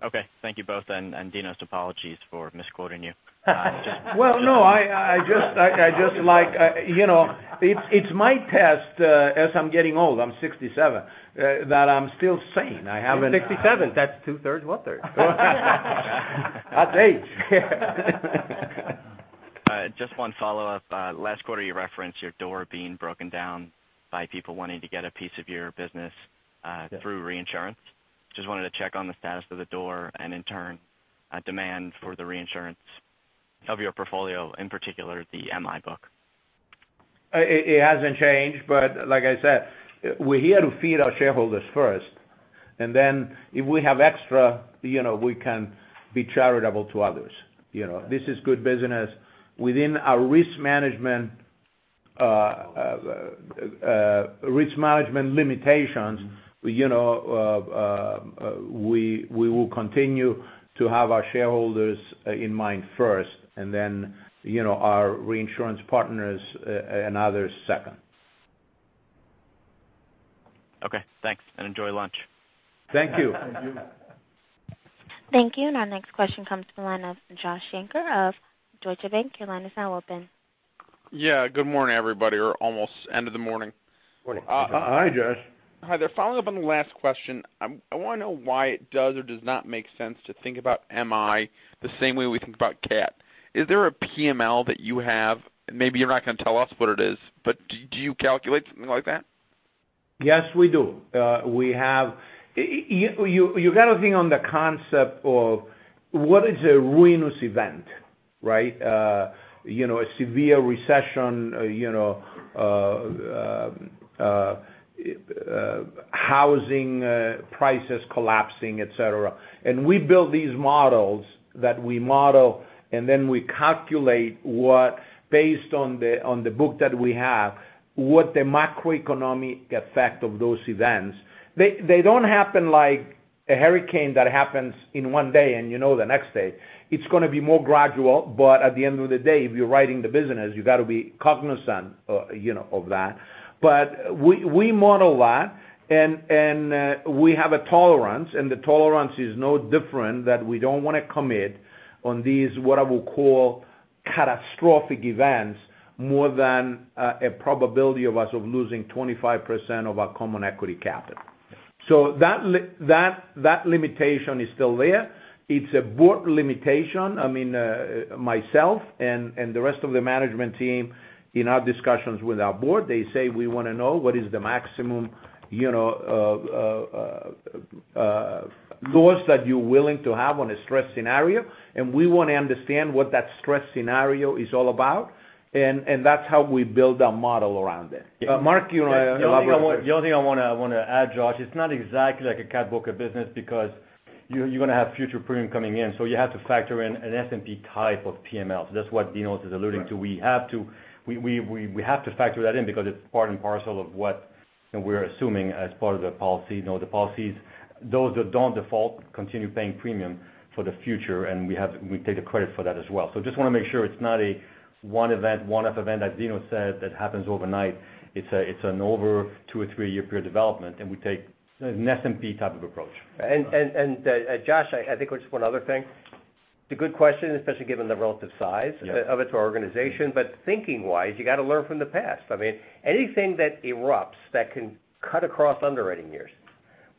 Okay. Thank you both, Dinos, apologies for misquoting you. Well, no, I just like It's my test as I'm getting old, I'm 67, that I'm still sane. I haven't. You're 67. That's two-thirds, one-third. That's age. Just one follow-up. Last quarter, you referenced your door being broken down by people wanting to get a piece of your business through reinsurance. Just wanted to check on the status of the door and in turn, demand for the reinsurance of your portfolio, in particular, the MI book. It hasn't changed, like I said, we're here to feed our shareholders first, and then if we have extra, we can be charitable to others. This is good business. Within our risk management limitations, we will continue to have our shareholders in mind first, and then our reinsurance partners and others second. Okay, thanks, and enjoy lunch. Thank you. Thank you. Thank you. Our next question comes from the line of Josh Shanker of Deutsche Bank. Your line is now open. Yeah. Good morning, everybody, or almost end of the morning. Morning. Hi, Josh. Hi there. Following up on the last question, I want to know why it does or does not make sense to think about MI the same way we think about CAT. Is there a PML that you have, maybe you're not going to tell us what it is, but do you calculate something like that? Yes, we do. You got to think on the concept of what is a ruinous event, right? A severe recession, housing prices collapsing, et cetera. We build these models that we model, then we calculate what, based on the book that we have, what the macroeconomic effect of those events. They don't happen like a hurricane that happens in one day, and you know the next day. It's going to be more gradual, but at the end of the day, if you're riding the business, you got to be cognizant of that. We model that, and we have a tolerance, and the tolerance is no different that we don't want to commit on these, what I will call catastrophic events, more than a probability of us of losing 25% of our common equity capital. That limitation is still there. It's a Board limitation. I mean, myself and the rest of the management team, in our discussions with our Board, they say we want to know what is the maximum loss that you're willing to have on a stress scenario. We want to understand what that stress scenario is all about, and that's how we build our model around it. Mark, you want to elaborate? The only thing I want to add, Josh, it's not exactly like a cat book of business because you're going to have future premium coming in. You have to factor in an S&P type of PML. That's what Dinos is alluding to. We have to factor that in because it's part and parcel of what we're assuming as part of the policy. The policies, those that don't default continue paying premium for the future, and we take the credit for that as well. Just want to make sure it's not a one-off event, as Dinos said, that happens overnight. It's an over two or three-year period development. We take an S&P type of approach. Josh, I think just one other thing. It's a good question, especially given the relative size of it to our organization. Thinking-wise, you got to learn from the past. I mean, anything that erupts that can cut across underwriting years.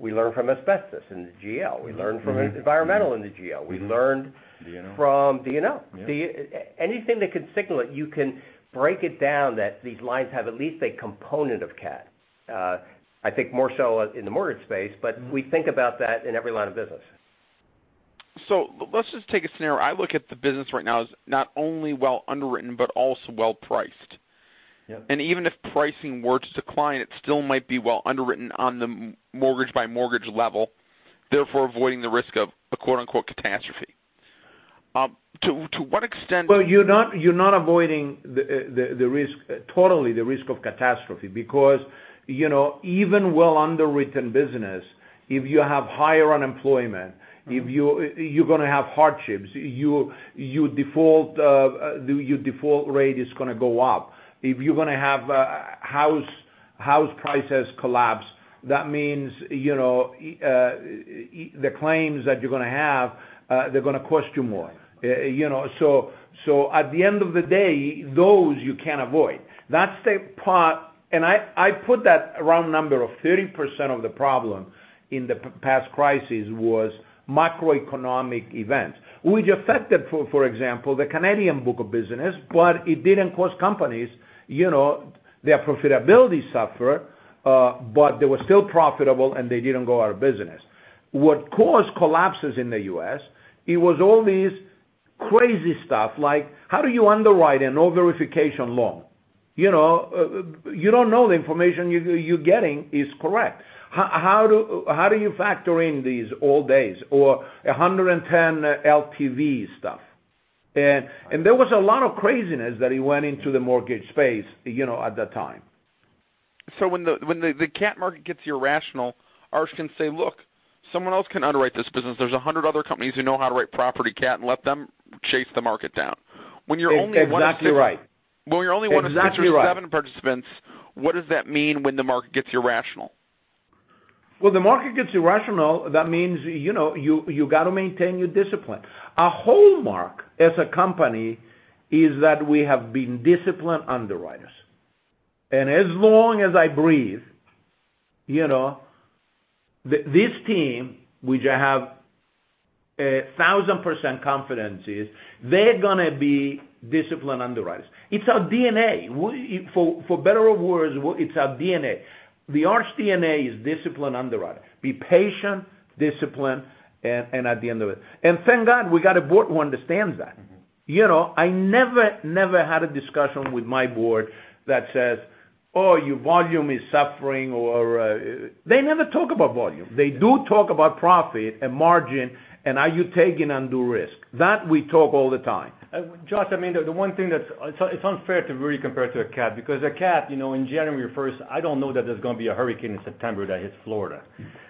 We learn from asbestos in the GL. We learn from environmental in the GL. D&O D&O. Anything that can signal it, you can break it down that these lines have at least a component of CAT. I think more so in the mortgage space, but we think about that in every line of business. Let's just take a scenario. I look at the business right now as not only well underwritten but also well-priced. Yeah Even if pricing were to decline, it still might be well underwritten on the mortgage-by-mortgage level, therefore avoiding the risk of a quote, unquote, "catastrophe. Well, you're not avoiding the risk, totally the risk of catastrophe, because even well underwritten business, if you have higher unemployment, you're going to have hardships. Your default rate is going to go up. If you're going to have house prices collapse, that means the claims that you're going to have, they're going to cost you more. At the end of the day, those you can't avoid. That's the part, and I put that round number of 30% of the problem in the past crisis was macroeconomic events, which affected, for example, the Canadian book of business. It didn't cause companies, their profitability suffer, but they were still profitable, and they didn't go out of business. What caused collapses in the U.S., it was all these crazy stuff like how do you underwrite a no-verification loan? You don't know the information you're getting is correct. How do you factor in these old days or 110 LTV stuff? There was a lot of craziness that went into the mortgage space at that time. When the cat market gets irrational, Arch can say, "Look, someone else can underwrite this business. There's 100 other companies who know how to write property cat and let them chase the market down." When you're only one of- Exactly right When you're only one of 57 participants, what does that mean when the market gets irrational? Well, the market gets irrational, that means you got to maintain your discipline. Our hallmark as a company is that we have been disciplined underwriters. As long as I breathe, this team, which I have 1,000% confidence is they're going to be disciplined underwriters. It's our DNA. For better or worse, it's our DNA. The Arch DNA is disciplined underwriter. Be patient, disciplined, and at the end of it. Thank God we got a board who understands that. I never had a discussion with my board that says, "Oh, your volume is suffering or" They never talk about volume. They do talk about profit and margin, and are you taking undue risk. That we talk all the time. Josh, the one thing that's unfair to really compare it to a cat because a cat, in January 1st, I don't know that there's going to be a hurricane in September that hits Florida.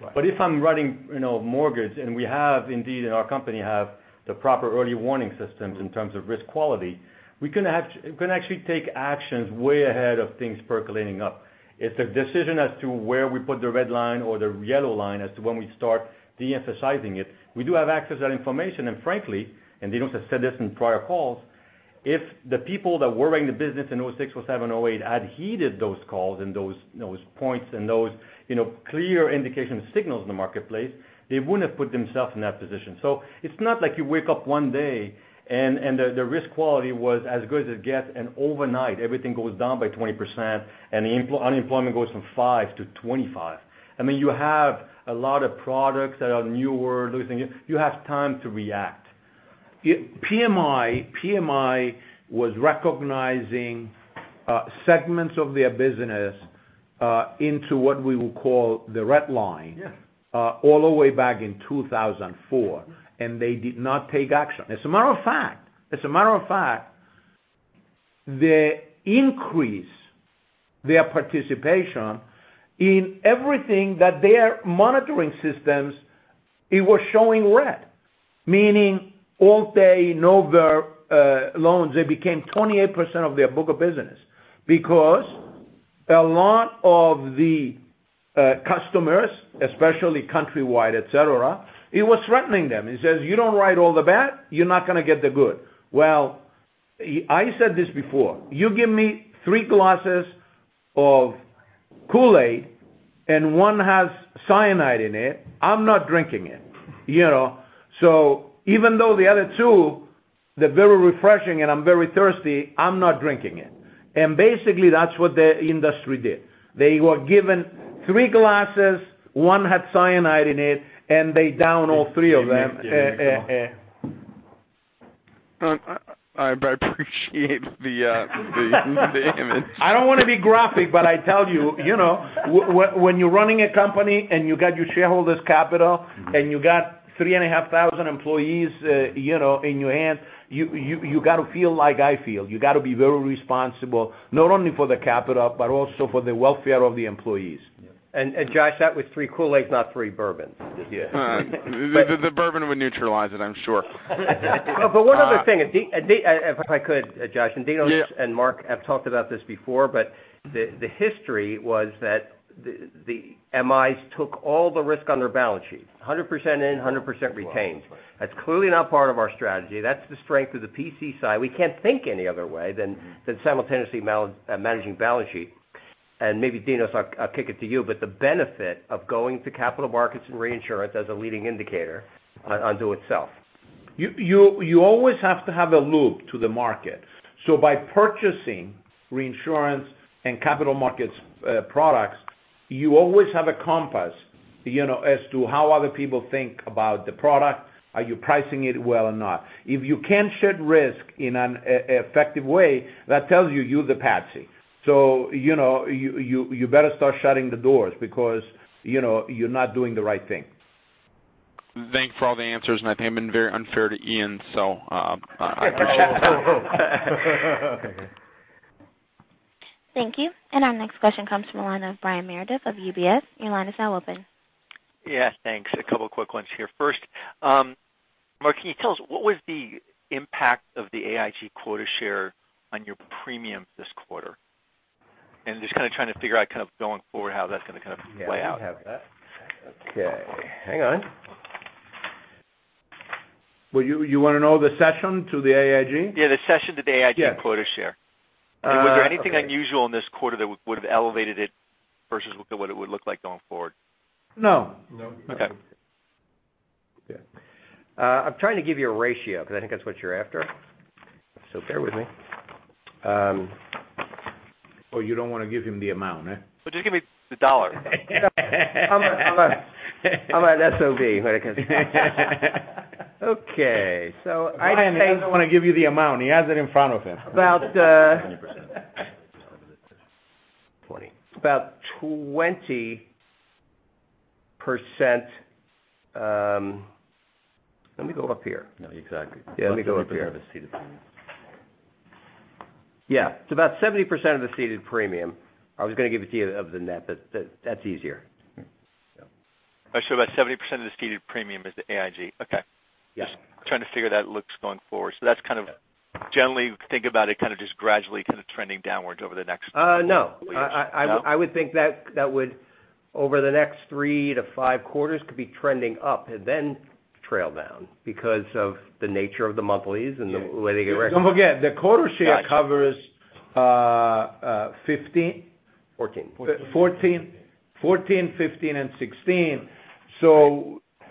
Right. If I'm running mortgage and we have indeed in our company have the proper early warning systems in terms of risk quality, we can actually take actions way ahead of things percolating up. It's a decision as to where we put the red line or the yellow line as to when we start de-emphasizing it. We do have access to that information. Frankly, Dinos has said this in prior calls, if the people that were running the business in 2006, 2007, 2008, had heeded those calls and those points and those clear indication signals in the marketplace, they wouldn't have put themselves in that position. It's not like you wake up one day and the risk quality was as good as it gets, and overnight everything goes down by 20% and the unemployment goes from five to 25. You have a lot of products that are newer. You have time to react. PMI was recognizing segments of their business into what we would call the red line. Yeah All the way back in 2004, they did not take action. As a matter of fact, they increase their participation in everything that their monitoring systems, it was showing red. Meaning Alt-A, no-doc loans, they became 28% of their book of business because a lot of the customers, especially Countrywide, et cetera, it was threatening them. It says, "You don't write all the bad, you're not going to get the good." Well, I said this before, you give me three glasses of Kool-Aid and one has cyanide in it, I'm not drinking it. Even though the other two, they're very refreshing and I'm very thirsty, I'm not drinking it. Basically, that's what the industry did. They were given three glasses, one had cyanide in it, and they down all three of them. I appreciate the image. I don't want to be graphic, I tell you, when you're running a company and you got your shareholders' capital, and you got 3,500 employees in your hand, you got to feel like I feel. You got to be very responsible, not only for the capital, but also for the welfare of the employees. Josh, that was three Kool-Aids, not three bourbons. Just, yeah. The bourbon would neutralize it, I'm sure. One other thing, if I could, Josh, and Dinos. Yeah Mark have talked about this before, but the history was that the MIs took all the risk on their balance sheet, 100% in, 100% retained. Right. That's clearly not part of our strategy. That's the strength of the PC side. We can't think any other way than simultaneously managing balance sheet. Maybe Dinos, I'll kick it to you, but the benefit of going to capital markets and reinsurance as a leading indicator unto itself. You always have to have a loop to the market. By purchasing reinsurance and capital markets products. You always have a compass as to how other people think about the product. Are you pricing it well or not? If you can't shed risk in an effective way, that tells you're the patsy. You better start shutting the doors because you're not doing the right thing. Thanks for all the answers, I think I've been very unfair to Ian, I appreciate the time. Thank you. Our next question comes from the line of Brian Meredith of UBS. Your line is now open. Yeah, thanks. A couple quick ones here. First, Mark, can you tell us what was the impact of the AIG quota share on your premium this quarter? Just kind of trying to figure out kind of going forward how that's going to kind of play out. Yeah, we have that. Okay, hang on. Well, you want to know the cession to the AIG? Yeah, the cession to the AIG quota share. Yes. Okay. Was there anything unusual in this quarter that would have elevated it versus what it would look like going forward? No. No. Okay. Yeah. I'm trying to give you a ratio because I think that's what you're after. Bear with me. Oh, you don't want to give him the amount, eh? Just give me the U.S. dollar. I'm an SOB when it comes to Okay. Brian, he doesn't want to give you the amount. He has it in front of him. About- 70%. 20. About 20%. Let me go up here. No, exactly. Let me go up here. You have a ceded premium. Yeah. It's about 70% of the ceded premium. I was going to give it to you of the net, but that's easier. Yeah. About 70% of the ceded premium is the AIG. Okay. Yeah. Just trying to figure that looks going forward. That's kind of generally think about it, kind of just gradually kind of trending downwards over the next couple of years. No. No? I would think that would, over the next three to five quarters, could be trending up and then trail down because of the nature of the monthlies and the way they get recognized. Don't forget, the quota share covers '15- '14. 2014, 2015, and 2016.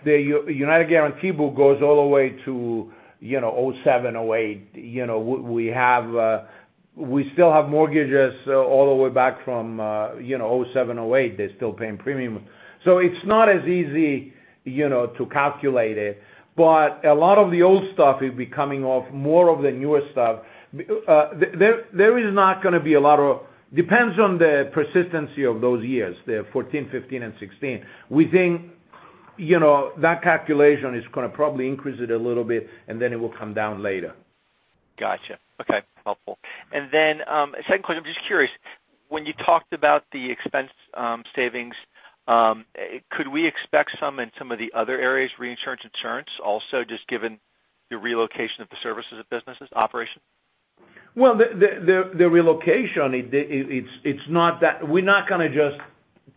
The United Guaranty book goes all the way to 2007, 2008. We still have mortgages all the way back from 2007, 2008. They're still paying premium. It's not as easy to calculate it, but a lot of the old stuff will be coming off more of the newer stuff. Depends on the persistency of those years, the 2014, 2015, and 2016. We think that calculation is going to probably increase it a little bit, and then it will come down later. Gotcha. Okay. Helpful. Then, second question, I'm just curious. When you talked about the expense savings, could we expect some in some of the other areas, reinsurance, insurance also, just given the relocation of the services of businesses operation? The relocation, we're not going to just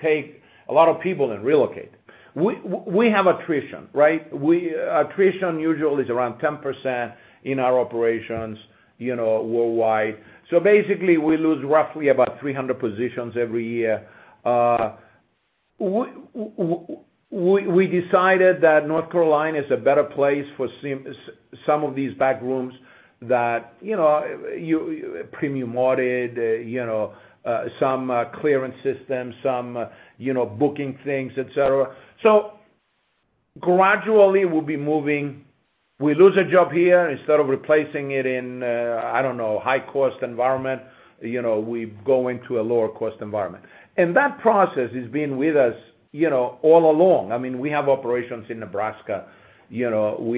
take a lot of people and relocate. We have attrition, right? Attrition usually is around 10% in our operations worldwide. Basically, we lose roughly about 300 positions every year. We decided that North Carolina is a better place for some of these back rooms that premium audit, some clearance systems, some booking things, et cetera. Gradually, we'll be moving. We lose a job here, instead of replacing it in a, I don't know, high-cost environment, we go into a lower-cost environment. That process has been with us all along. We have operations in Nebraska. We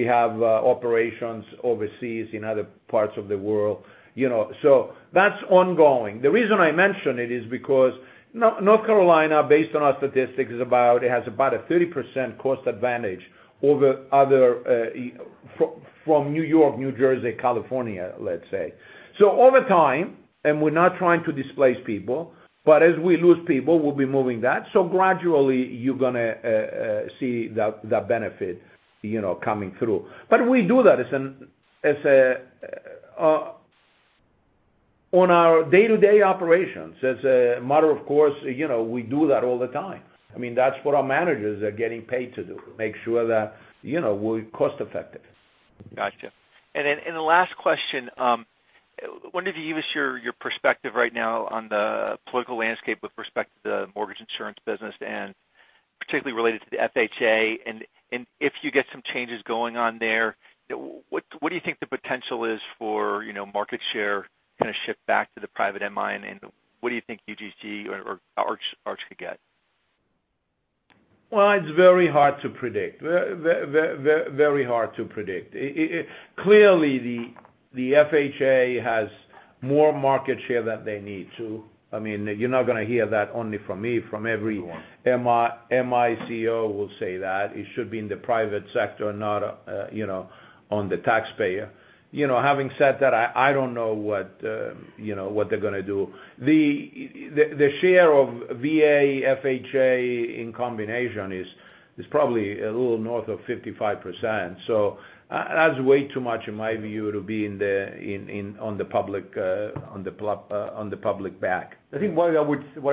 have operations overseas in other parts of the world. That's ongoing. The reason I mention it is because North Carolina, based on our statistics, it has about a 30% cost advantage from New York, New Jersey, California, let's say. Over time, we're not trying to displace people, as we lose people, we'll be moving that. Gradually, you're going to see the benefit coming through. We do that on our day-to-day operations. As a matter of course, we do that all the time. That's what our managers are getting paid to do, make sure that we're cost effective. Gotcha. The last question, I wondered if you could give us your perspective right now on the political landscape with respect to the mortgage insurance business, particularly related to the FHA. If you get some changes going on there, what do you think the potential is for market share kind of shift back to the private MI, what do you think UGC or Arch could get? It's very hard to predict. Clearly, the FHA has more market share than they need to. You're not going to hear that only from me, from Everyone MI CEO will say that. It should be in the private sector, not on the taxpayer. Having said that, I don't know what they're going to do. The share of VA, FHA in combination is probably a little north of 55%. That's way too much, in my view, to be on the public back. I think what I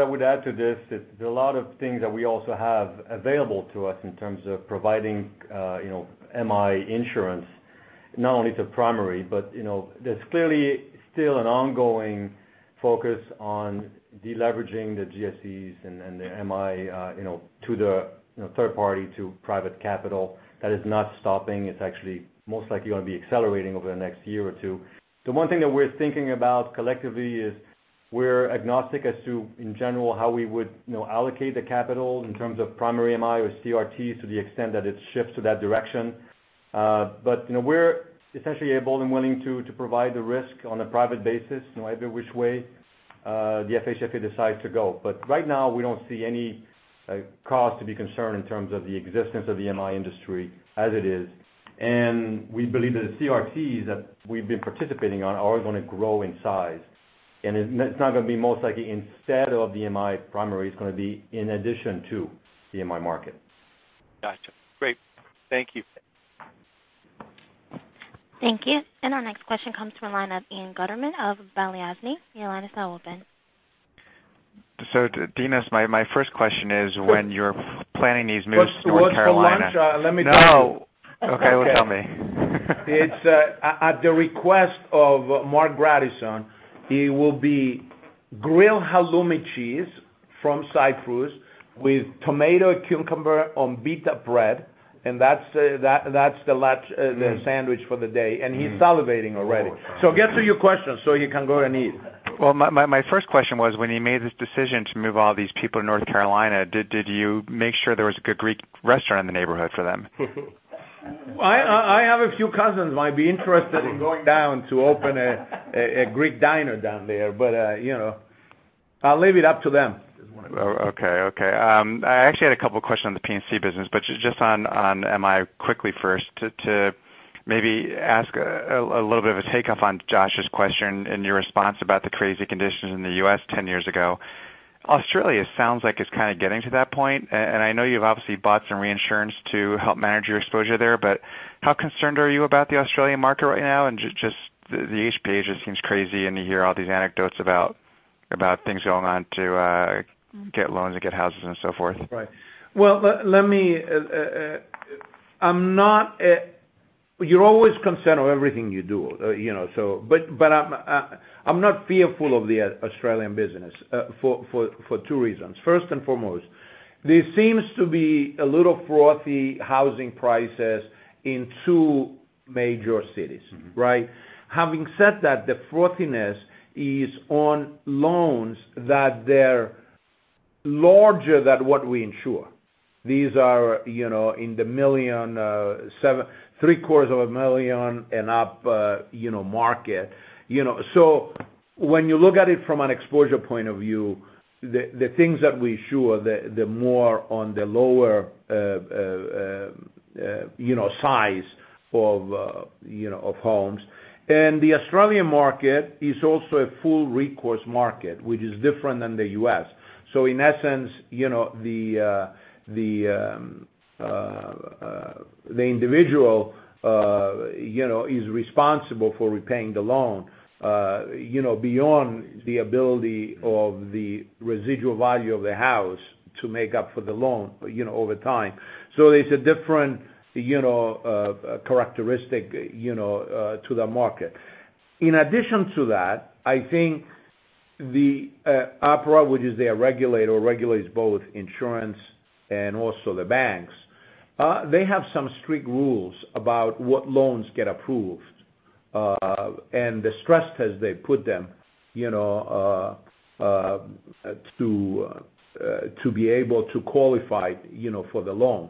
would add to this is there are a lot of things that we also have available to us in terms of providing MI insurance Not only to primary, but there's clearly still an ongoing focus on deleveraging the GSEs and the MI to the third party to private capital. That is not stopping. It's actually most likely going to be accelerating over the next year or two. The one thing that we're thinking about collectively is we're agnostic as to, in general, how we would allocate the capital in terms of primary MI or CRTs to the extent that it shifts to that direction. We're essentially able and willing to provide the risk on a private basis either which way the FHFA decides to go. Right now, we don't see any cause to be concerned in terms of the existence of the MI industry as it is. We believe that the CRTs that we've been participating on are going to grow in size, and it's not going to be most likely instead of the MI primary, it's going to be in addition to the MI market. Got you. Great. Thank you. Thank you. Our next question comes from the line of Ian Gutterman of Balyasny. Your line is now open. Dinos, my first question is when you're planning these moves to North Carolina. What's for lunch? Let me tell you. No. Okay, well tell me. It's at the request of Marc Grandisson. It will be grilled halloumi cheese from Cyprus with tomato, cucumber on pita bread, and that's the sandwich for the day. He's salivating already. Get to your question so you can go and eat. My first question was, when you made this decision to move all these people to North Carolina, did you make sure there was a good Greek restaurant in the neighborhood for them? I have a few cousins who might be interested in going down to open a Greek diner down there. I'll leave it up to them. I actually had a couple questions on the P&C business, just on MI quickly first to maybe ask a little bit of a takeoff on Josh's question and your response about the crazy conditions in the U.S. 10 years ago. Australia sounds like it's kind of getting to that point, I know you've obviously bought some reinsurance to help manage your exposure there, how concerned are you about the Australian market right now? Just the HPA seems crazy, and you hear all these anecdotes about things going on to get loans and get houses and so forth. Well, you're always concerned on everything you do, but I'm not fearful of the Australian business for two reasons. First and foremost, there seems to be a little frothy housing prices in two major cities. Right? Having said that, the frothiness is on loans that they're larger than what we insure. These are in the three quarters of a million and up market. When you look at it from an exposure point of view, the things that we insure, the more on the lower size of homes. The Australian market is also a full recourse market, which is different than the U.S. In that sense, the individual is responsible for repaying the loan beyond the ability of the residual value of the house to make up for the loan over time. It's a different characteristic to the market. In addition to that, I think the APRA, which is their regulator, regulates both insurance and also the banks. They have some strict rules about what loans get approved, and the stress test they put them to be able to qualify for the loan.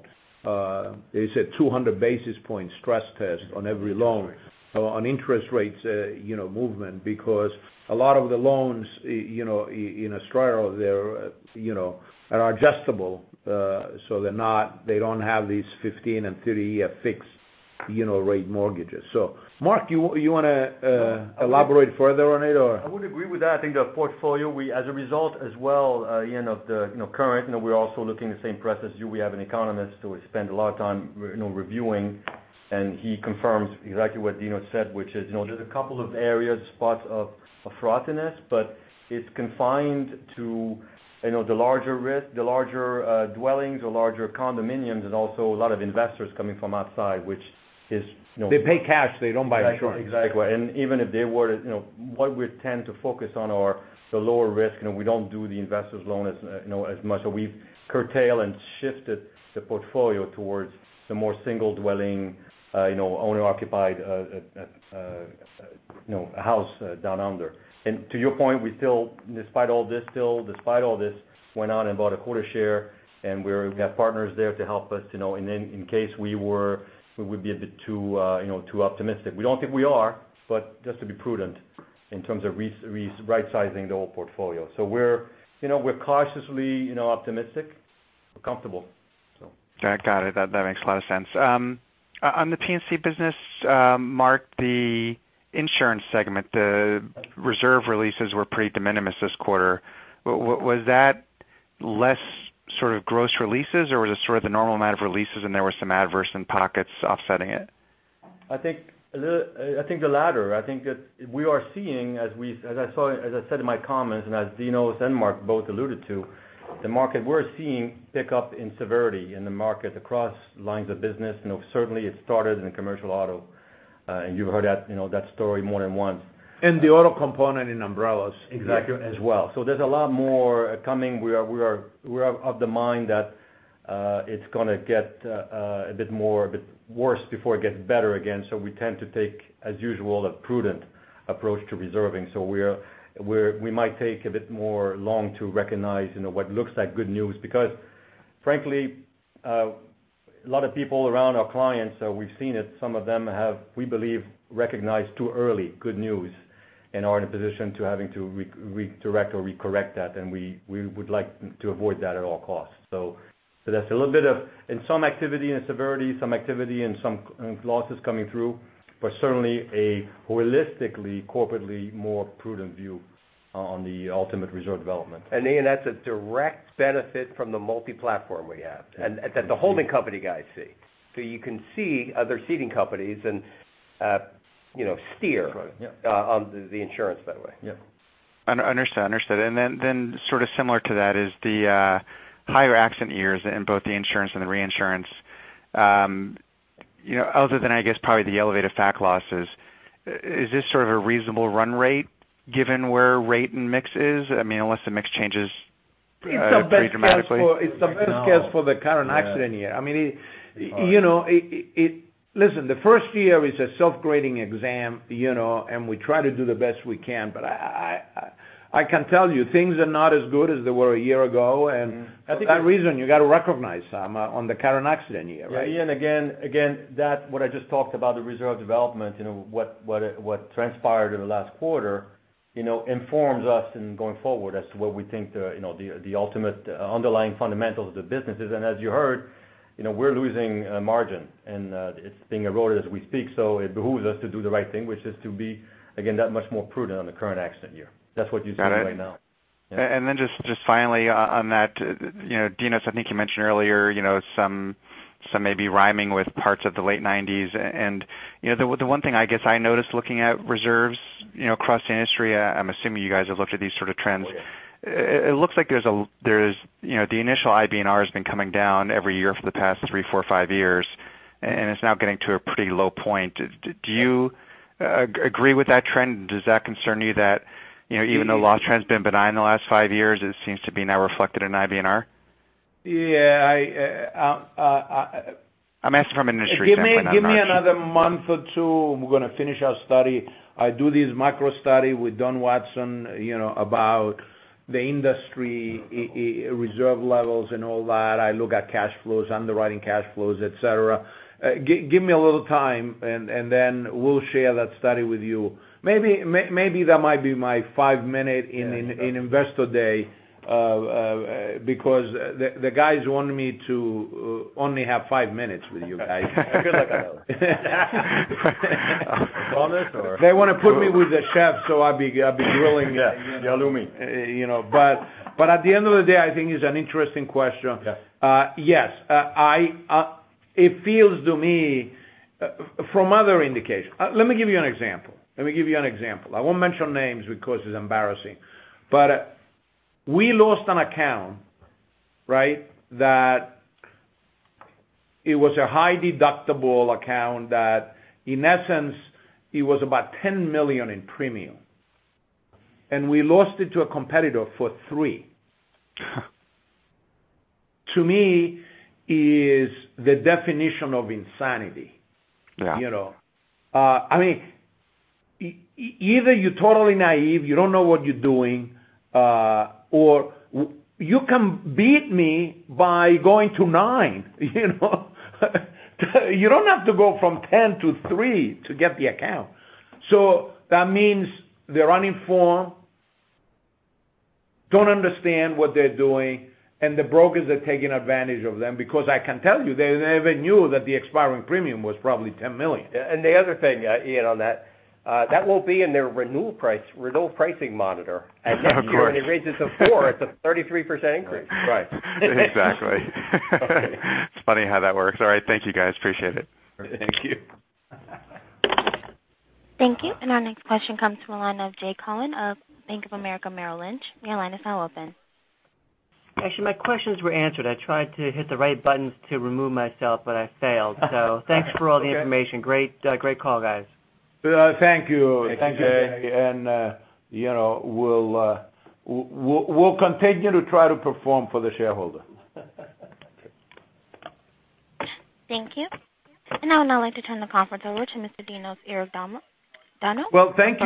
It's a 200 basis point stress test on every loan on interest rates movement because a lot of the loans in Australia are adjustable. They don't have these 15 and 30 year fixed rate mortgages. Mark, you want to elaborate further on it or? I would agree with that. I think the portfolio, as a result as well, Ian of the current, we're also looking at the same process. We have an economist who we spend a lot of time reviewing, and he confirms exactly what Dinos said, which is there's a couple of areas, spots of frothiness, but it's confined to the larger dwellings or larger condominiums, and also a lot of investors coming from outside. They pay cash. They don't buy insurance. Exactly. Even if they were to, what we tend to focus on are the lower risk, and we don't do the investors loan as much. We've curtailed and shifted the portfolio towards the more single dwelling, owner-occupied house down under. To your point, we still, despite all this, went out and bought a quarter share and we've got partners there to help us in case we would be a bit too optimistic. We don't think we are, but just to be prudent in terms of right-sizing the whole portfolio. We're cautiously optimistic. We're comfortable. Got it. That makes a lot of sense. On the P&C business, Mark, the insurance segment, the reserve releases were pretty de minimis this quarter. Was that less sort of gross releases, or was it sort of the normal amount of releases and there were some adverse in pockets offsetting it? I think the latter. I think that we are seeing as I said in my comments, as Dinos and Mark both alluded to, the market we're seeing pick up in severity in the market across lines of business. Certainly it started in commercial auto, you've heard that story more than once. The auto component in umbrellas- Exactly as well. There's a lot more coming. We are of the mind that it's going to get a bit worse before it gets better again. We tend to take, as usual, a prudent approach to reserving. We might take a bit more long to recognize what looks like good news. Frankly, a lot of people around our clients, we've seen it, some of them have, we believe, recognized too early good news and are in a position to having to redirect or recorrect that, and we would like to avoid that at all costs. That's a little bit of, in some activity, in severity, some activity and some losses coming through, but certainly a holistically, corporately more prudent view on the ultimate reserve development. Ian, that's a direct benefit from the multi-platform we have. Yeah. That the holding company guys see. You can see other ceading companies and steer- That's right, yeah on the insurance that way. Yeah. Understood. Sort of similar to that is the higher accident years in both the insurance and the reinsurance. Other than, I guess, probably the elevated FAC losses, is this sort of a reasonable run rate given where rate and mix is? I mean, unless the mix changes pretty dramatically. It's the best case for the current accident year. Listen, the first year is a self-grading exam, and we try to do the best we can, but I can tell you, things are not as good as they were a year ago, and for that reason you got to recognize some on the current accident year, right? Yeah, Ian, again, that what I just talked about, the reserve development, what transpired in the last quarter informs us in going forward as to what we think the ultimate underlying fundamentals of the business is. As you heard, we're losing margin, and it's being eroded as we speak, it behooves us to do the right thing, which is to be, again, that much more prudent on the current accident year. That's what you're seeing right now. Got it. Then just finally on that, Dinos, I think you mentioned earlier some may be rhyming with parts of the late '90s, and the one thing I guess I noticed looking at reserves across the industry, I'm assuming you guys have looked at these sort of trends. Yeah. It looks like the initial IBNR has been coming down every year for the past three, four, five years, and it's now getting to a pretty low point. Do you agree with that trend? Does that concern you that even though loss trend's been benign the last five years, it seems to be now reflected in IBNR? Yeah. I'm asking from an industry standpoint, not Arch. Give me another month or two. We're going to finish our study. I do this macro study with Donald Watson about the industry reserve levels and all that. I look at cash flows, underwriting cash flows, et cetera. Give me a little time, then we'll share that study with you. Maybe that might be my five minute in Investor Day, because the guys wanted me to only have five minutes with you guys. Good luck with all that. On this, or? They want to put me with a chef, so I'll be grilling. Yeah. The Albacore. At the end of the day, I think it's an interesting question. Yeah. Yes. It feels to me from other indications. Let me give you an example. I won't mention names because it's embarrassing. We lost an account that it was a high deductible account that, in essence, it was about $10 million in premium, and we lost it to a competitor for $3. To me, it is the definition of insanity. Yeah. I mean, either you're totally naive, you don't know what you're doing, or you can beat me by going to $9. You don't have to go from $10 to $3 to get the account. That means they're uninformed, don't understand what they're doing, and the brokers are taking advantage of them because I can tell you, they never knew that the expiring premium was probably $10 million. The other thing, Ian, on that won't be in their renewal pricing monitor. Of course. When it raises to four, it's a 33% increase. Right. Exactly. It's funny how that works. All right. Thank you guys, appreciate it. Thank you. Thank you. Our next question comes from the line of Jay Cohen of Bank of America Merrill Lynch. Your line is now open. Actually, my questions were answered. I tried to hit the right buttons to remove myself, but I failed. Thanks for all the information. Great call, guys. Thank you. Thank you. We'll continue to try to perform for the shareholder. Thank you. I would now like to turn the conference over to Mr. Dinos Iordanou. Dinos? Well, thank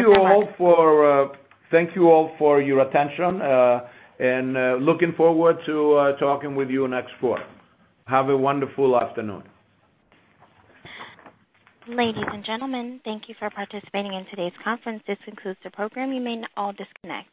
you all for your attention, and looking forward to talking with you next quarter. Have a wonderful afternoon. Ladies and gentlemen, thank you for participating in today's conference. This concludes the program. You may all disconnect.